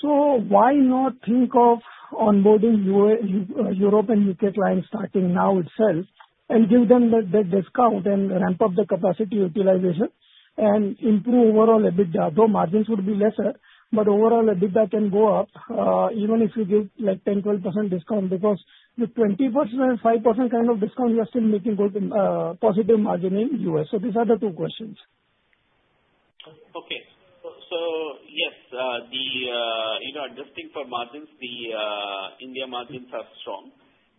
So why not think of onboarding Europe and U.K. clients starting now itself and give them that discount and ramp up the capacity utilization and improve overall a bit? Though margins would be lesser, but overall, a bit that can go up even if you give 10%-12% discount because with 20% and 5% kind of discount, you are still making good positive margin in U.S. So these are the two questions. Okay. Yes, adjusting for margins, the India margins are strong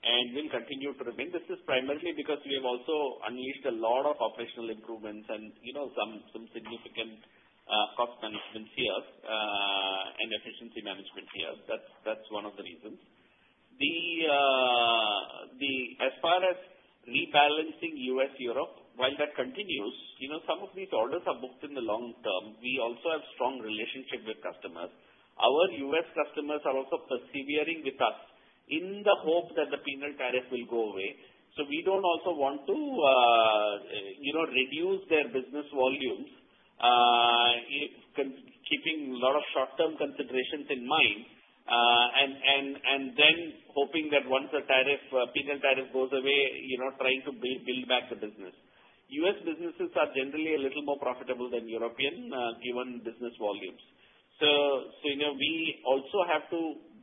and will continue to remain. This is primarily because we have also unleashed a lot of operational improvements and some significant cost management here and efficiency management here. That's one of the reasons. As far as rebalancing U.S.-Europe, while that continues, some of these orders are booked in the long term. We also have a strong relationship with customers. Our U.S. customers are also persevering with us in the hope that the penalty tariff will go away. We don't also want to reduce their business volumes keeping a lot of short-term considerations in mind and then hoping that once the penalty tariff goes away, trying to build back the business. U.S. businesses are generally a little more profitable than European given business volumes. So we also have to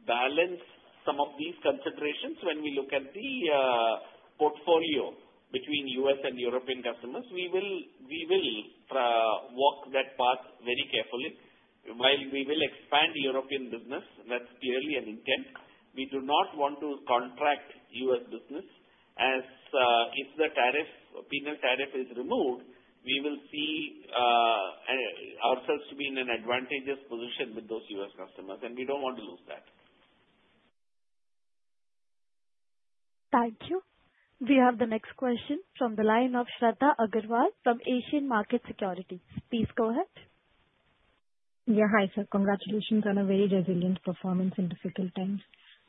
balance some of these considerations when we look at the portfolio between U.S. and European customers. We will walk that path very carefully while we will expand European business. That's clearly an intent. We do not want to contract U.S. business as if the penalty tariff is removed, we will see ourselves to be in an advantageous position with those U.S. customers. And we don't want to lose that. Thank you. We have the next question from the line of Shradha Agrawal from Asian Markets Securities. Please go ahead. Yeah, hi, sir. Congratulations on a very resilient performance in difficult times.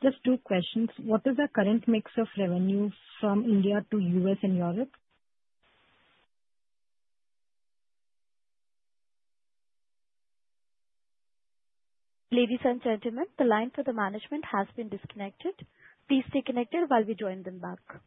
Just two questions. What is the current mix of revenue from India to U.S. and Europe? Ladies and gentlemen, the line for the management has been disconnected. Please stay connected while we join them back.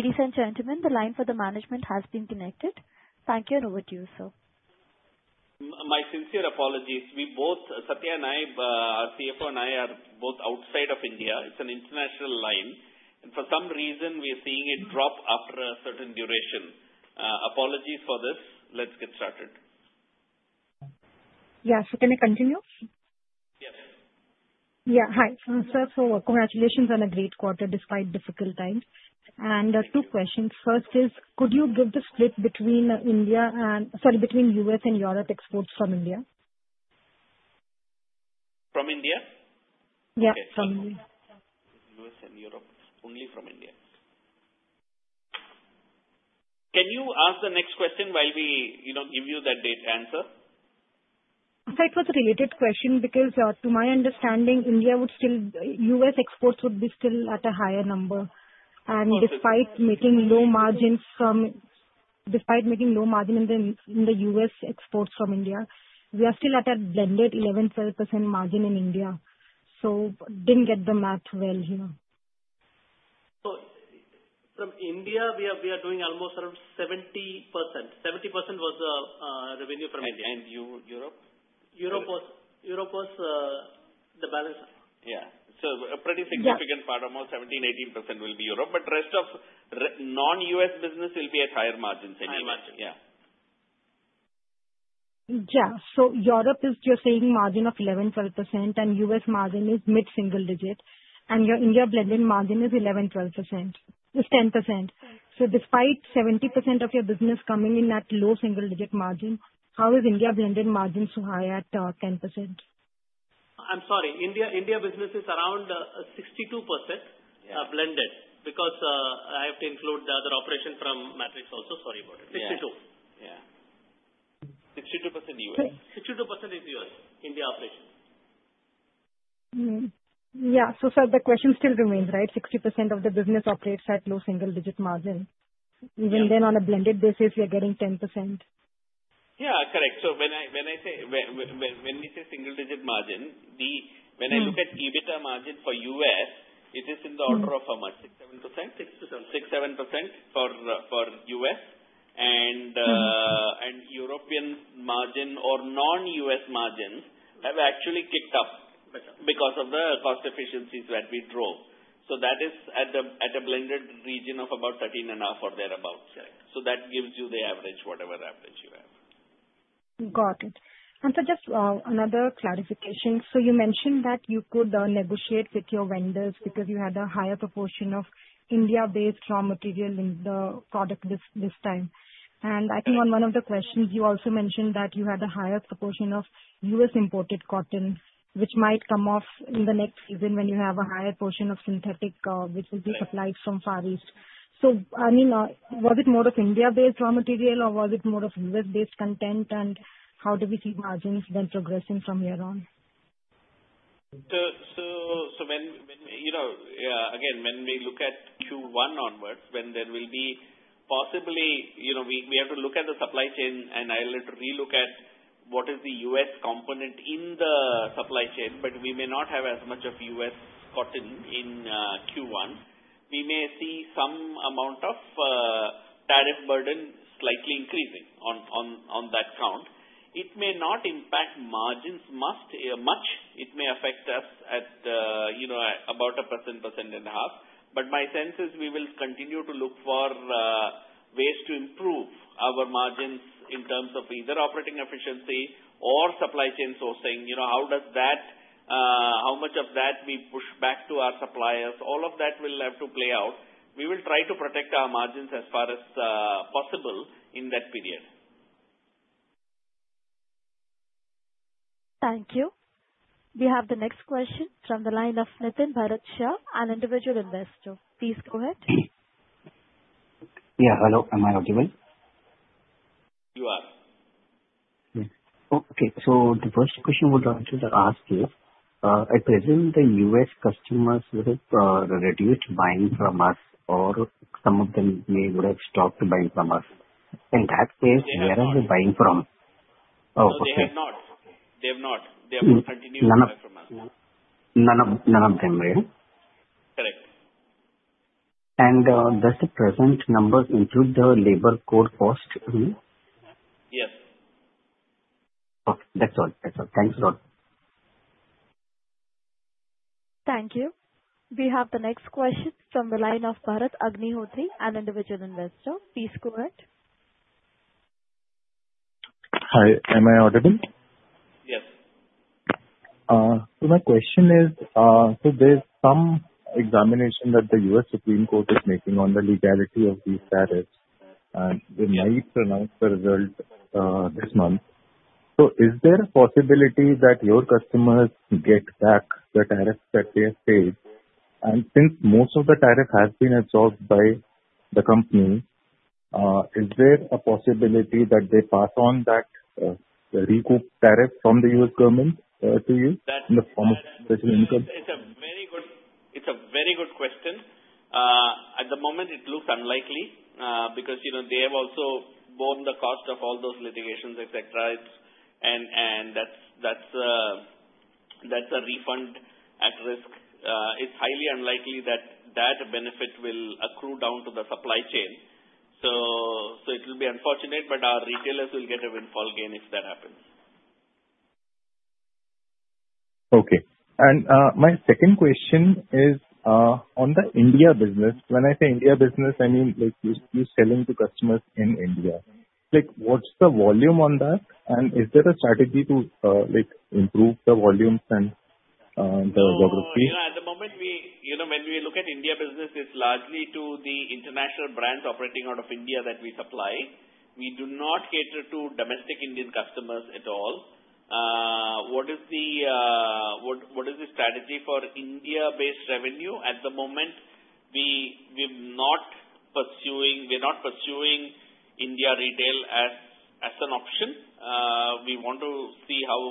Ladies and gentlemen, the line for the management has been connected. Thank you, and over to you, sir. My sincere apologies. Sathya and I, our CFO and I, are both outside of India. It's an international line. For some reason, we are seeing it drop after a certain duration. Apologies for this. Let's get started. Yeah, sir. Can I continue? Yes. Yeah, hi, sir. So congratulations on a great quarter despite difficult times. And two questions. First is, could you give the split between India and sorry, between U.S. and Europe exports from India? From India? Yeah, from India. U.S. and Europe, only from India. Can you ask the next question while we give you that answer? Sir, it was a related question because to my understanding, U.S. exports would be still at a higher number. And despite making low margin in the U.S. exports from India, we are still at a blended 11%-12% margin in India. So didn't get the math well here. From India, we are doing almost around 70%. 70% was revenue from India. And Europe? Europe was the balance. Yeah. So a pretty significant part, almost 17%-18% will be Europe. But the rest of non-U.S. business will be at higher margins anyway. Higher margins. Yeah. Yeah. So Europe, you're saying margin of 11%-12%, and U.S. margin is mid-single-digit. And your India blended margin is 11%-12%. It's 10%. So despite 70% of your business coming in at low single-digit margin, how is India blended margin so high at 10%? I'm sorry. India business is around 62% blended because I have to include the other operation from Matrix also. Sorry about it. 62%. Yeah. 62% U.S.. 62% is U.S., India operation. Yeah. So sir, the question still remains, right? 60% of the business operates at low single-digit margin. Even then, on a blended basis, we are getting 10%. Yeah, correct. So when I say when we say single-digit margin, when I look at EBITDA margin for U.S., it is in the order of how much? 6%-7%? 6% to 7%. 6.7% for U.S.. European margin or non-U.S. margin have actually kicked up because of the cost efficiencies that we drove. That is at a blended region of about 13.5% or thereabouts. That gives you the average, whatever average you have. Got it. Sir, just another clarification. So you mentioned that you could negotiate with your vendors because you had a higher proportion of India-based raw material in the product this time. I think on one of the questions, you also mentioned that you had a higher proportion of U.S.-imported cotton, which might come off in the next season when you have a higher portion of synthetic, which will be supplied from Far East. So I mean, was it more of India-based raw material, or was it more of U.S.-based content? How do we see margins then progressing from here on? So again, when we look at Q1 onwards, when there will be possibly we have to look at the supply chain, and I'll relook at what is the U.S. component in the supply chain. But we may not have as much of U.S. cotton in Q1. We may see some amount of tariff burden slightly increasing on that count. It may not impact margins much. It may affect us at about 1%-1.5%. But my sense is we will continue to look for ways to improve our margins in terms of either operating efficiency or supply chain sourcing. How much of that we push back to our suppliers, all of that will have to play out. We will try to protect our margins as far as possible in that period. Thank you. We have the next question from the line of Nitin Bharat Shah, an individual investor. Please go ahead. Yeah, hello. Am I audible? You are. Okay. So the first question I would like to ask is, at present, the U.S. customers would have reduced buying from us, or some of them would have stopped buying from us. In that case, where are they buying from? Oh, okay. They have not. They have not. They have not continued to buy from us. None of them, right? Correct. Does the present number include the Labor Code cost? Yes. Okay. That's all. That's all. Thanks a lot. Thank you. We have the next question from the line of Bharat Agnihotri, an individual investor. Please go ahead. Hi. Am I audible? Yes. So, my question is, there's some examination that the U.S. Supreme Court is making on the legality of these tariffs. And they might pronounce the result this month. So, is there a possibility that your customers get back the tariffs that they have paid? And since most of the tariff has been absorbed by the company, is there a possibility that they pass on that recoup tariff from the U.S. government to you in the form of special income? It's a very good question. At the moment, it looks unlikely because they have also borne the cost of all those litigations, etc. That's a refund at risk. It's highly unlikely that that benefit will accrue down to the supply chain. It will be unfortunate, but our retailers will get a windfall gain if that happens. Okay. My second question is, on the India business, when I say India business, I mean you're selling to customers in India. What's the volume on that? And is there a strategy to improve the volumes and the geography? At the moment, when we look at India business, it's largely to the international brands operating out of India that we supply. We do not cater to domestic Indian customers at all. What is the strategy for India-based revenue? At the moment, we're not pursuing India retail as an option. We want to see how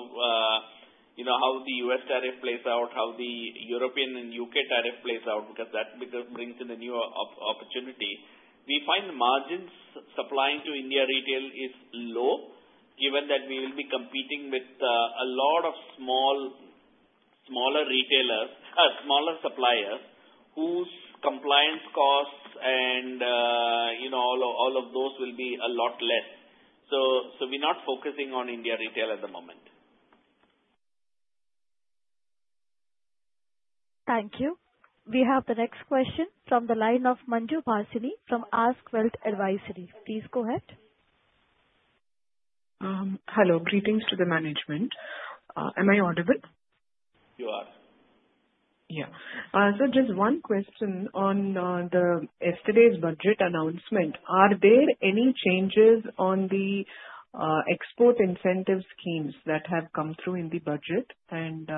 the U.S. tariff plays out, how the European and U.K. tariff plays out because that brings in a new opportunity. We find the margins supplying to India retail is low given that we will be competing with a lot of smaller suppliers whose compliance costs and all of those will be a lot less. So we're not focusing on India retail at the moment. Thank you. We have the next question from the line of Manjubhashini from ASK Wealth Advisory. Please go ahead. Hello. Greetings to the management. Am I audible? You are. Yeah. So just one question on yesterday's budget announcement. Are there any changes on the export incentive schemes that have come through in the budget and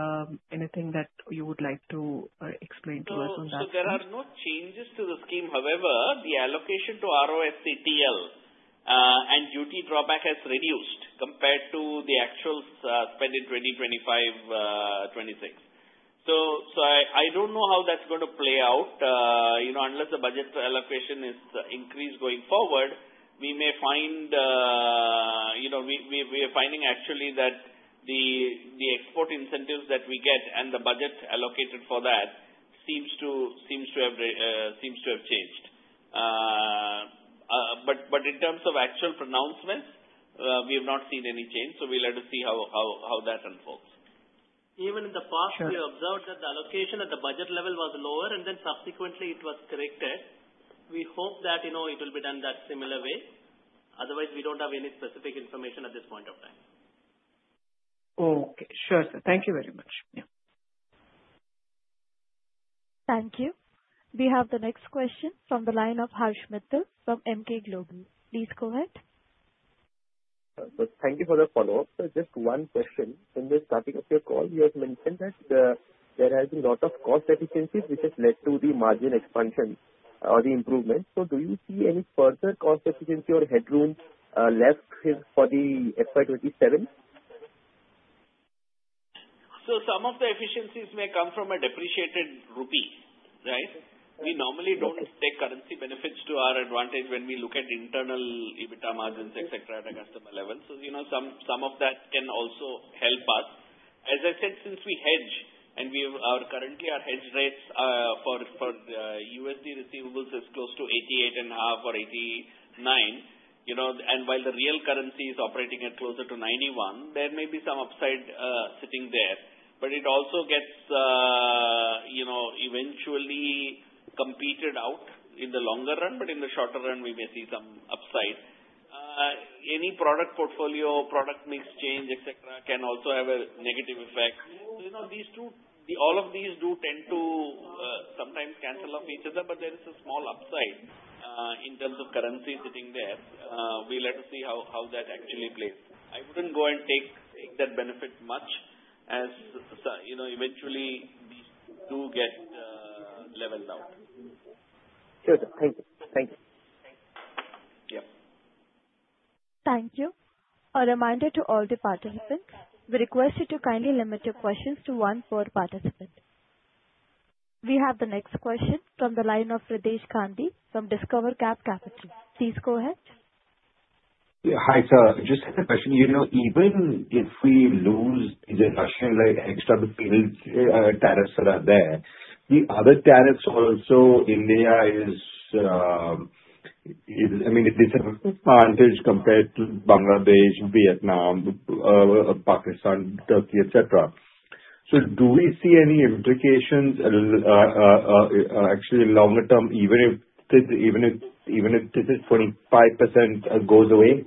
anything that you would like to explain to us on that? So there are no changes to the scheme. However, the allocation to ROSCTL and duty drawback has reduced compared to the actual spend in 2025-2026. So I don't know how that's going to play out. Unless the budget allocation is increased going forward, we may find we are finding, actually, that the export incentives that we get and the budget allocated for that seems to have changed. But in terms of actual pronouncements, we have not seen any change. So we'll have to see how that unfolds. Even in the past, we observed that the allocation at the budget level was lower, and then subsequently, it was corrected. We hope that it will be done that similar way. Otherwise, we don't have any specific information at this point of time. Okay. Sure, sir. Thank you very much. Yeah. Thank you. We have the next question from the line of Harsh Mittal from Emkay Global. Please go ahead. Thank you for the follow-up. Sir, just one question. In the starting of your call, you have mentioned that there has been a lot of cost efficiencies, which has led to the margin expansion or the improvement. So do you see any further cost efficiency or headroom left for the FY 2027? So some of the efficiencies may come from a depreciated rupee, right? We normally don't take currency benefits to our advantage when we look at internal EBITDA margins, etc., at a customer level. So some of that can also help us. As I said, since we hedge, and currently, our hedge rates for USD receivables are close to 88.5 or 89. And while the real currency is operating at closer to 91, there may be some upside sitting there. But it also gets eventually competed out in the longer run. But in the shorter run, we may see some upside. Any product portfolio, product mix change, etc., can also have a negative effect. So all of these do tend to sometimes cancel off each other, but there is a small upside in terms of currency sitting there. We'll have to see how that actually plays. I wouldn't go and take that benefit much, as eventually, these do get leveled out. Sure, sir. Thank you. Thank you. Yep. Thank you. A reminder to all the participants, we request you to kindly limit your questions to one per participant. We have the next question from the line of Riddhesh Gandhi from Discovery Capital. Please go ahead. Hi, sir. Just a question. Even if we lose the Section extra tariffs that are there, the other tariffs also, India is—I mean, it is—an advantage compared to Bangladesh, Vietnam, Pakistan, Turkey, etc. So do we see any implications, actually, longer term, even if this 25% goes away?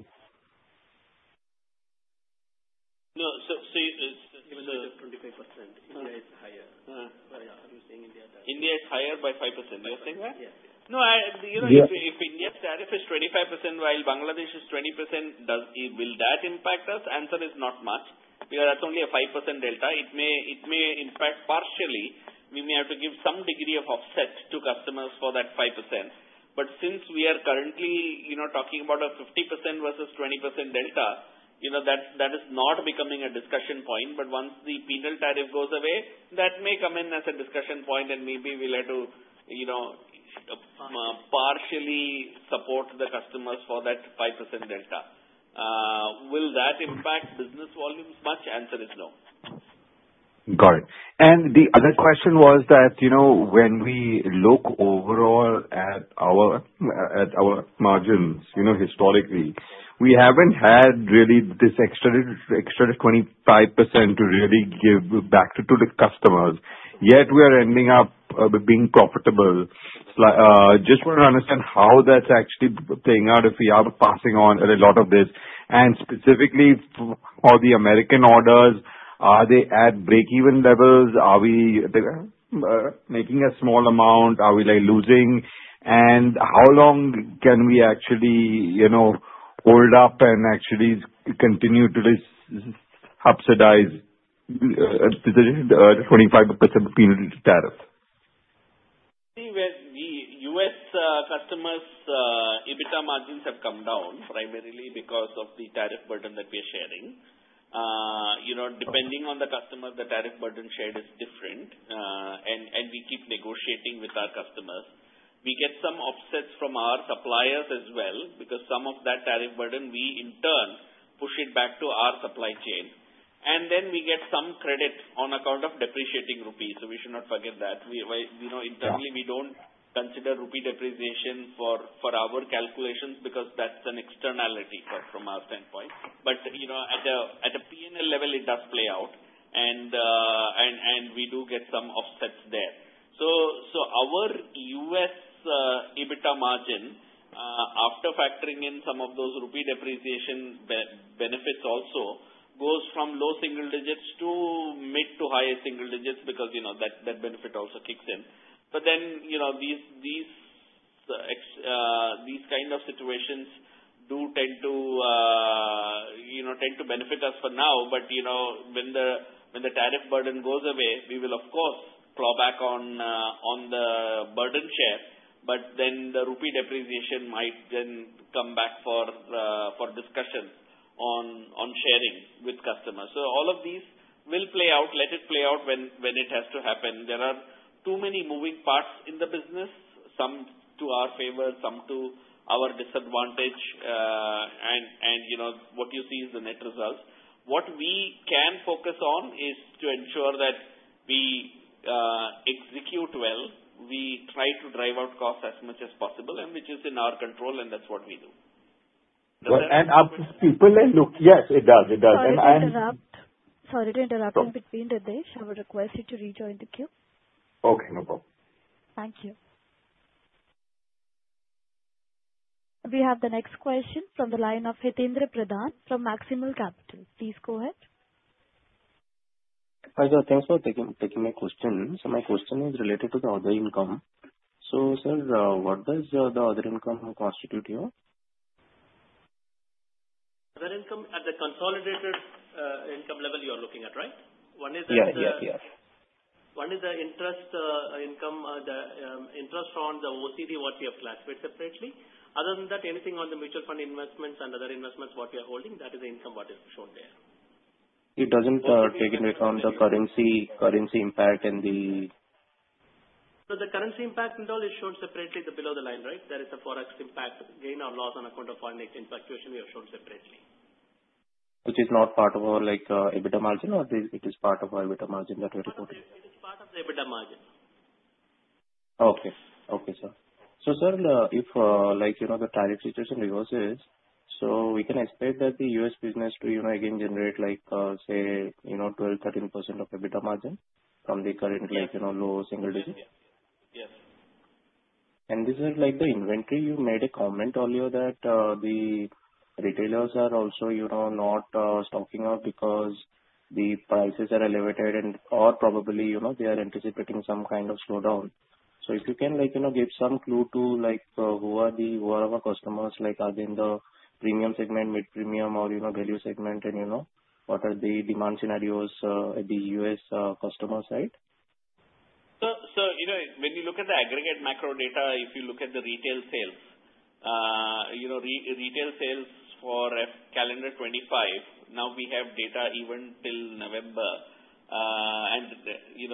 No. So even though it's 25%, India is higher. Are you saying India? India is higher by 5%. You're saying that? Yes. No, if India's tariff is 25% while Bangladesh is 20%, will that impact us? Answer is not much because that's only a 5% delta. It may impact partially. We may have to give some degree of offset to customers for that 5%. But since we are currently talking about a 50% versus 20% delta, that is not becoming a discussion point. But once the penal tariff goes away, that may come in as a discussion point, and maybe we'll have to partially support the customers for that 5% delta. Will that impact business volumes much? Answer is no. Got it. And the other question was that when we look overall at our margins, historically, we haven't had really this extra 25% to really give back to the customers. Yet, we are ending up being profitable. Just want to understand how that's actually playing out if we are passing on a lot of this. And specifically, for the American orders, are they at breakeven levels? Are we making a small amount? Are we losing? And how long can we actually hold up and actually continue to subsidize the 25% penalty tariff? U.S. customers' EBITDA margins have come down primarily because of the tariff burden that we are sharing. Depending on the customer, the tariff burden shared is different. We keep negotiating with our customers. We get some offsets from our suppliers as well because some of that tariff burden, we, in turn, push it back to our supply chain. Then we get some credit on account of depreciating rupees. We should not forget that. Internally, we don't consider rupee depreciation for our calculations because that's an externality from our standpoint. At a P&L level, it does play out, and we do get some offsets there. Our U.S. EBITDA margin, after factoring in some of those rupee depreciation benefits also, goes from low single digits to mid to high single digits because that benefit also kicks in. But then these kinds of situations do tend to benefit us for now. But when the tariff burden goes away, we will, of course, claw back on the burden share. But then the rupee depreciation might then come back for discussion on sharing with customers. So all of these will play out. Let it play out when it has to happen. There are too many moving parts in the business, some to our favor, some to our disadvantage. And what you see is the net results. What we can focus on is to ensure that we execute well. We try to drive out costs as much as possible, which is in our control, and that's what we do. Does that? People, look, yes, it does. It does. And. Sorry to interrupt. Sorry to interrupt in between, Riddhesh. I would request you to rejoin the queue. Okay. No problem. Thank you. We have the next question from the line of Hitaindra Pradhan from Maximal Capital. Please go ahead. Hi, sir. Thanks for taking my question. So my question is related to the other income. So, sir, what does the other income constitute here? Other income at the consolidated income level you are looking at, right? One is the. Yes, yes, yes. One is the interest on the OCD, what we have classified separately. Other than that, anything on the mutual fund investments and other investments what we are holding, that is the income what is shown there. It doesn't take into account the currency impact and the. The currency impact and all is shown separately below the line, right? There is a forex impact, gain, or loss on account of foreign exchange fluctuation, we have shown separately. Which is not part of our EBITDA margin, or it is part of our EBITDA margin that we are reporting? It is part of the EBITDA margin. Okay. Okay, sir. So, sir, if the tariff situation reverses, so we can expect that the U.S. business to, again, generate, say, 12%-13% of EBITDA margin from the current low single digit? Yes. Yes. Sir, the inventory, you made a comment earlier that the retailers are also not stocking up because the prices are elevated, or probably they are anticipating some kind of slowdown. So if you can give some clue to who are our customers, are they in the premium segment, mid-premium, or value segment, and what are the demand scenarios at the U.S. customer side? So, sir, when you look at the aggregate macro data, if you look at the retail sales, retail sales for calendar 2025, now we have data even till November. And we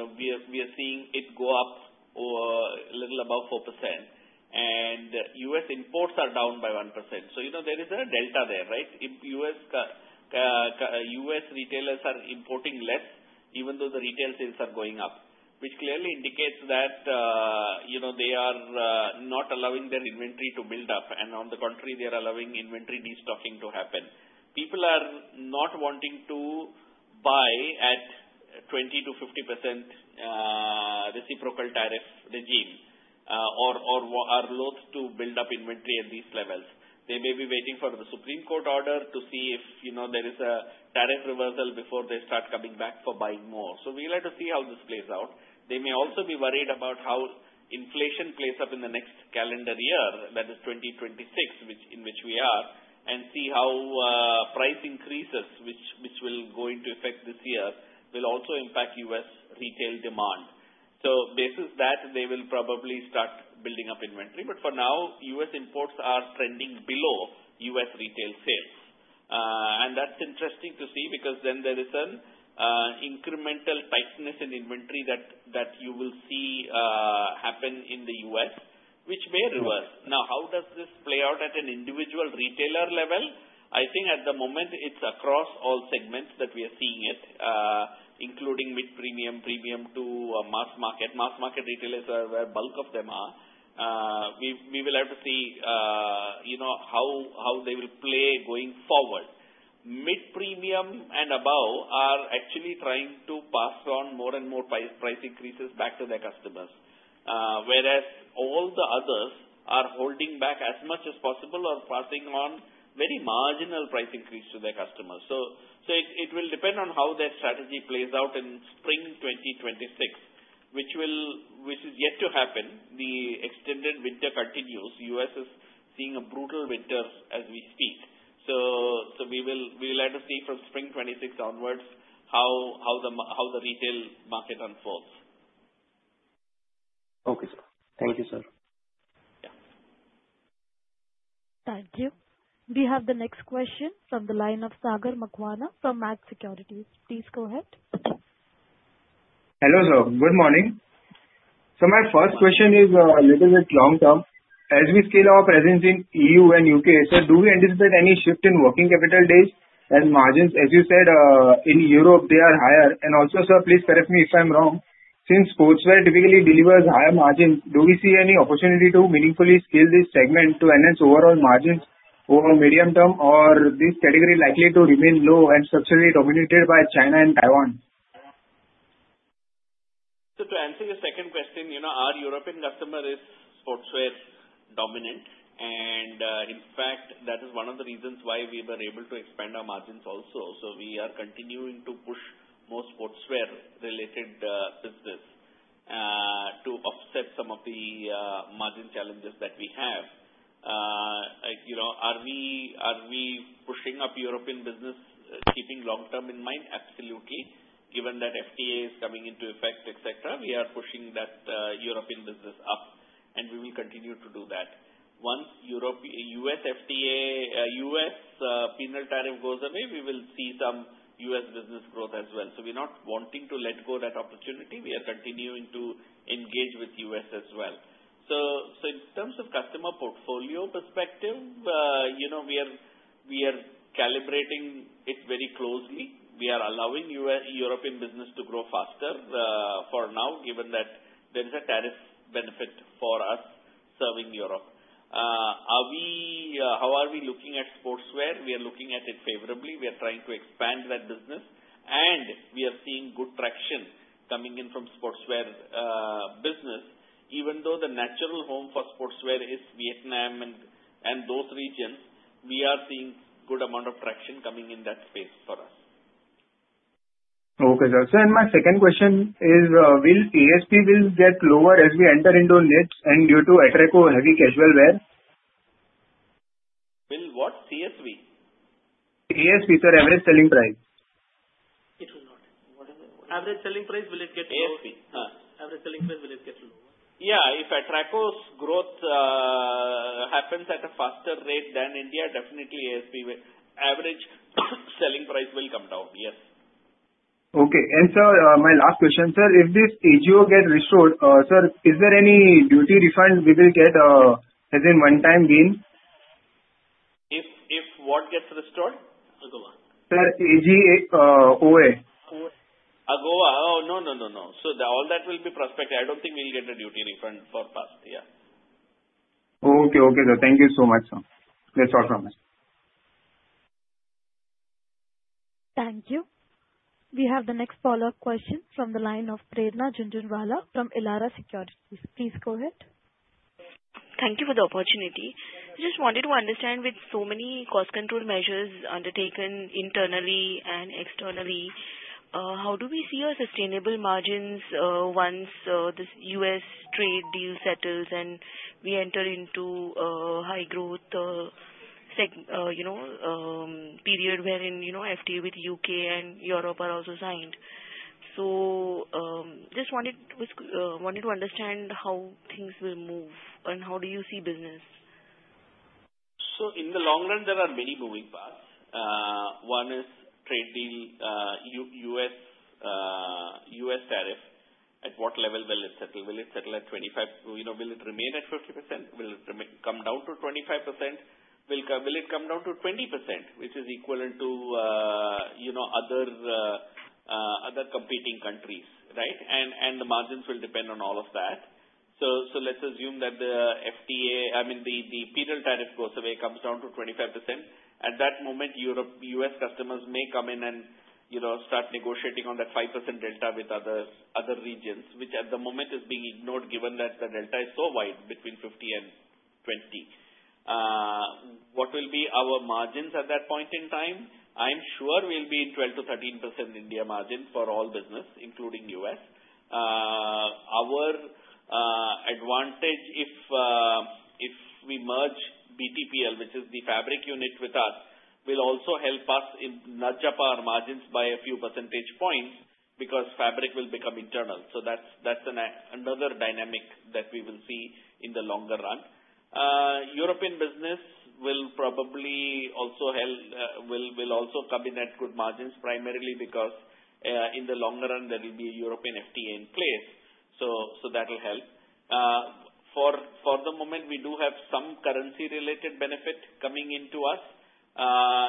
are seeing it go up a little above 4%. And U.S. imports are down by 1%. So there is a delta there, right? U.S. retailers are importing less even though the retail sales are going up, which clearly indicates that they are not allowing their inventory to build up. And on the contrary, they are allowing inventory destocking to happen. People are not wanting to buy at 20%-50% reciprocal tariff regime or are loath to build up inventory at these levels. They may be waiting for the Supreme Court order to see if there is a tariff reversal before they start coming back for buying more. So we'll have to see how this plays out. They may also be worried about how inflation plays up in the next calendar year, that is 2026, in which we are, and see how price increases, which will go into effect this year, will also impact U.S. retail demand. So based on that, they will probably start building up inventory. But for now, U.S. imports are trending below U.S. retail sales. And that's interesting to see because then there is an incremental tightness in inventory that you will see happen in the U.S., which may reverse. Now, how does this play out at an individual retailer level? I think at the moment, it's across all segments that we are seeing it, including mid-premium, premium to mass market. Mass market retailers are where a bulk of them are. We will have to see how they will play going forward. Mid-premium and above are actually trying to pass on more and more price increases back to their customers, whereas all the others are holding back as much as possible or passing on very marginal price increase to their customers. So it will depend on how their strategy plays out in spring 2026, which is yet to happen. The extended winter continues. U.S. is seeing a brutal winter as we speak. So we'll have to see from spring 2026 onwards how the retail market unfolds. Okay, sir. Thank you, sir. Yeah. Thank you. We have the next question from the line of Sagar Makwana from M.A.G. Securities. Please go ahead. Hello, sir. Good morning. So my first question is a little bit long term. As we scale our presence in EU and U.K., sir, do we anticipate any shift in working capital days and margins? As you said, in Europe, they are higher. And also, sir, please correct me if I'm wrong. Since sportswear typically delivers higher margins, do we see any opportunity to meaningfully scale this segment to enhance overall margins over medium term, or is this category likely to remain low and structurally dominated by China and Taiwan? To answer your second question, our European customer is sportswear dominant. In fact, that is one of the reasons why we were able to expand our margins also. We are continuing to push more sportswear-related business to offset some of the margin challenges that we have. Are we pushing up European business, keeping long-term in mind? Absolutely. Given that FTA is coming into effect, etc., we are pushing that European business up. And we will continue to do that. Once U.S. penal tariff goes away, we will see some U.S. business growth as well. We're not wanting to let go of that opportunity. We are continuing to engage with U.S. as well. In terms of customer portfolio perspective, we are calibrating it very closely. We are allowing European business to grow faster for now, given that there is a tariff benefit for us serving Europe. How are we looking at sportswear? We are looking at it favorably. We are trying to expand that business. And we are seeing good traction coming in from sportswear business. Even though the natural home for sportswear is Vietnam and those regions, we are seeing a good amount of traction coming in that space for us. Okay, sir. So then my second question is, will ASP get lower as we enter into knits and due to Atraco heavy casual wear? Will what? ASP? ASP, sir. Average selling price. It will not. Average selling price, will it get lower? ASP. Average selling price, will it get lower? Yeah. If Atraco's growth happens at a faster rate than India, definitely average selling price will come down. Yes. Okay. And, sir, my last question, sir. If this AGOA gets restored, sir, is there any duty refund we will get as in one-time gain? If what gets restored? AGOA. Sir, AGOA. AGOA? Oh, no, no, no, no. So all that will be prospective. I don't think we'll get a duty refund for past. Yeah. Okay. Okay, sir. Thank you so much, sir. That's all from us. Thank you. We have the next follower question from the line of Prerna Jhunjhunwala from Elara Securities. Please go ahead. Thank you for the opportunity. I just wanted to understand, with so many cost control measures undertaken internally and externally, how do we see our sustainable margins once this U.S. trade deal settles and we enter into a high-growth period wherein FTA with the U.K. and Europe are also signed? Just wanted to understand how things will move, and how do you see business? So in the long run, there are many moving parts. One is trade deal, U.S. tariff. At what level will it settle? Will it settle at 25? Will it remain at 50%? Will it come down to 25%? Will it come down to 20%, which is equivalent to other competing countries, right? And the margins will depend on all of that. So let's assume that the FTA I mean, the penal tariff goes away, comes down to 25%. At that moment, U.S. customers may come in and start negotiating on that 5% delta with other regions, which at the moment is being ignored given that the delta is so wide between 50 and 20. What will be our margins at that point in time? I'm sure we'll be in 12%-13% India margin for all business, including U.S.. Our advantage, if we merge BTPL, which is the fabric unit, with us, will also help us nudge up our margins by a few percentage points because fabric will become internal. So that's another dynamic that we will see in the longer run. European business will probably also come in at good margins, primarily because in the longer run, there will be a European FTA in place. So that will help. For the moment, we do have some currency-related benefit coming into us.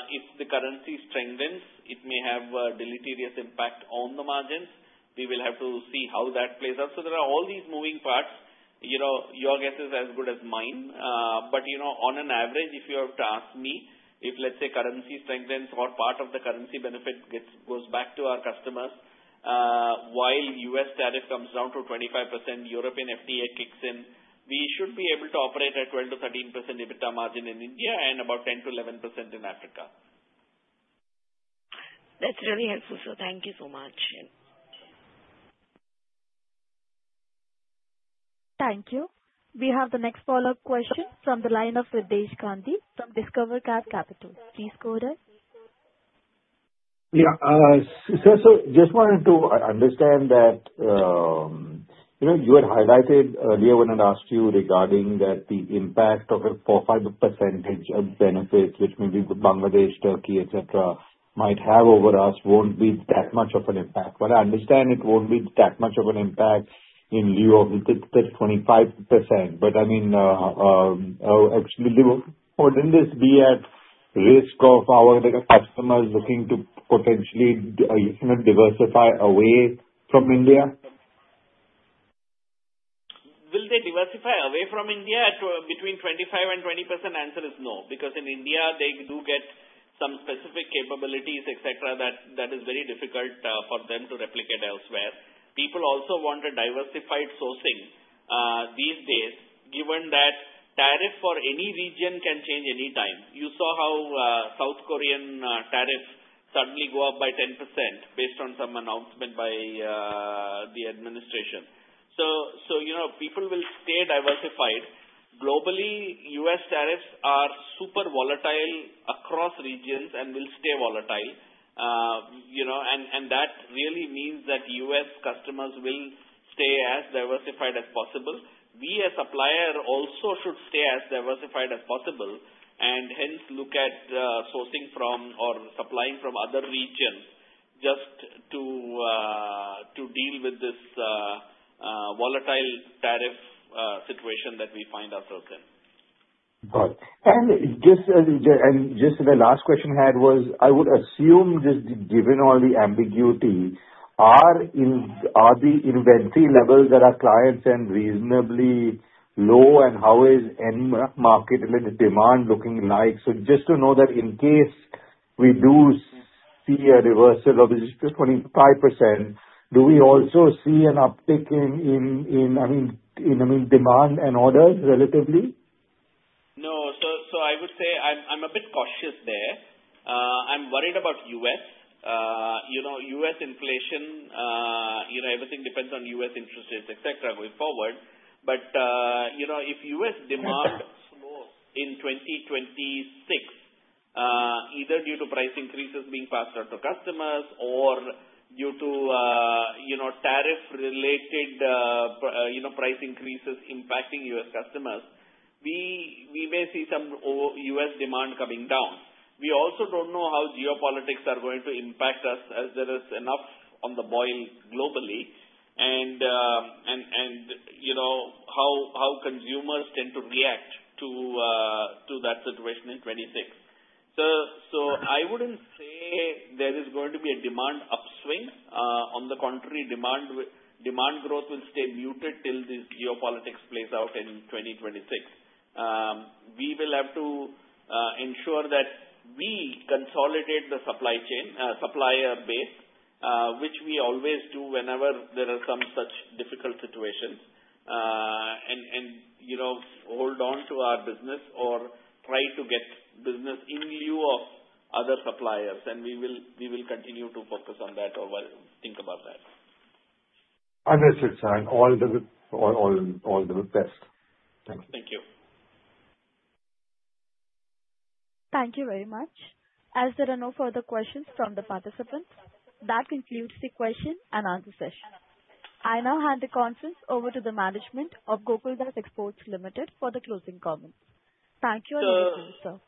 If the currency strengthens, it may have a deleterious impact on the margins. We will have to see how that plays out. So there are all these moving parts. Your guess is as good as mine. On an average, if you have to ask me, let's say, currency strengthens or part of the currency benefit goes back to our customers, while U.S. tariff comes down to 25%, European FTA kicks in, we should be able to operate at 12%-13% EBITDA margin in India and about 10%-11% in Africa. That's really helpful, sir. Thank you so much. Thank you. We have the next follower question from the line of Riddhesh Gandhi from Discovery Capital. Please go ahead. Yeah. Sir, so just wanted to understand that you had highlighted earlier when I'd asked you regarding that the impact of a 4%-5% of benefits, which maybe Bangladesh, Turkey, etc., might have over us won't be that much of an impact. What I understand, it won't be that much of an impact in lieu of the 25%. But I mean, wouldn't this be at risk of our customers looking to potentially diversify away from India? Will they diversify away from India between 25% and 20%? The answer is no because in India, they do get some specific capabilities, etc., that is very difficult for them to replicate elsewhere. People also want a diversified sourcing these days, given that tariffs for any region can change anytime. You saw how South Korean tariffs suddenly go up by 10% based on some announcement by the administration. So people will stay diversified. Globally, U.S. tariffs are super volatile across regions and will stay volatile. And that really means that U.S. customers will stay as diversified as possible. We, as a supplier, also should stay as diversified as possible and hence look at sourcing from or supplying from other regions just to deal with this volatile tariff situation that we find ourselves in. Good. Just the last question I had was, I would assume just given all the ambiguity, are the inventory levels that our clients send reasonably low, and how is market demand looking like? Just to know that in case we do see a reversal of this 25%, do we also see an uptick in, I mean, demand and orders relatively? No. So I would say I'm a bit cautious there. I'm worried about U.S. U.S. inflation, everything depends on U.S. interest rates, etc., going forward. But if U.S. demand slows in 2026, either due to price increases being passed out to customers or due to tariff-related price increases impacting U.S. customers, we may see some U.S. demand coming down. We also don't know how geopolitics are going to impact us as there is enough on the boil globally and how consumers tend to react to that situation in 2026. So I wouldn't say there is going to be a demand upswing. On the contrary, demand growth will stay muted till this geopolitics plays out in 2026. We will have to ensure that we consolidate the supplier base, which we always do whenever there are some such difficult situations, and hold on to our business or try to get business in lieu of other suppliers. We will continue to focus on that or think about that. I bet so, sir. All the best. Thank you. Thank you. Thank you very much. As there are no further questions from the participants, that concludes the question and answer session. I now hand the conference over to the management of Gokaldas Exports Limited for the closing comments. Thank you again,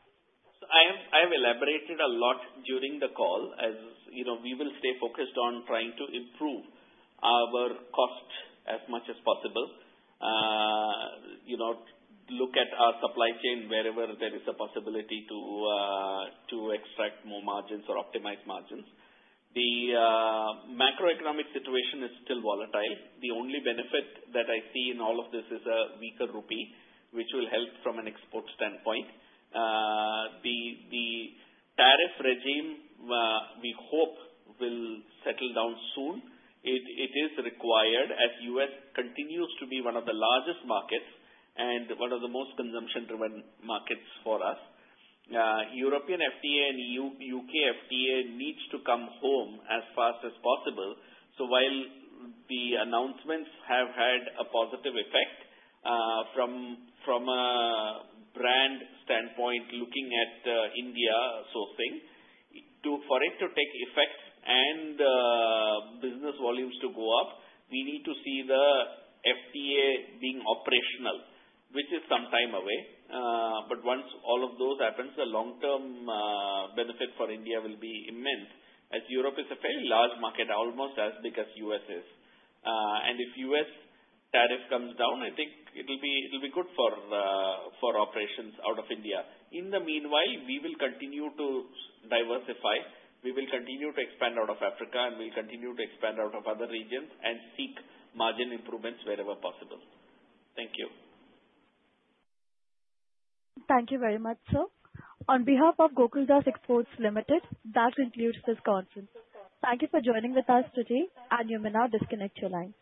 sir. I have elaborated a lot during the call. We will stay focused on trying to improve our cost as much as possible, look at our supply chain wherever there is a possibility to extract more margins or optimize margins. The macroeconomic situation is still volatile. The only benefit that I see in all of this is a weaker rupee, which will help from an export standpoint. The tariff regime, we hope, will settle down soon. It is required as U.S. continues to be one of the largest markets and one of the most consumption-driven markets for us. European FTA and U.K. FTA need to come home as fast as possible. So while the announcements have had a positive effect from a brand standpoint looking at India sourcing, for it to take effect and business volumes to go up, we need to see the FTA being operational, which is some time away. But once all of those happen, the long-term benefit for India will be immense as Europe is a fairly large market, almost as big as U.S. is. And if U.S. tariff comes down, I think it'll be good for operations out of India. In the meanwhile, we will continue to diversify. We will continue to expand out of Africa, and we'll continue to expand out of other regions and seek margin improvements wherever possible. Thank you. Thank you very much, sir. On behalf of Gokaldas Exports Limited, that concludes this conference. Thank you for joining with us today, and you may now disconnect your line.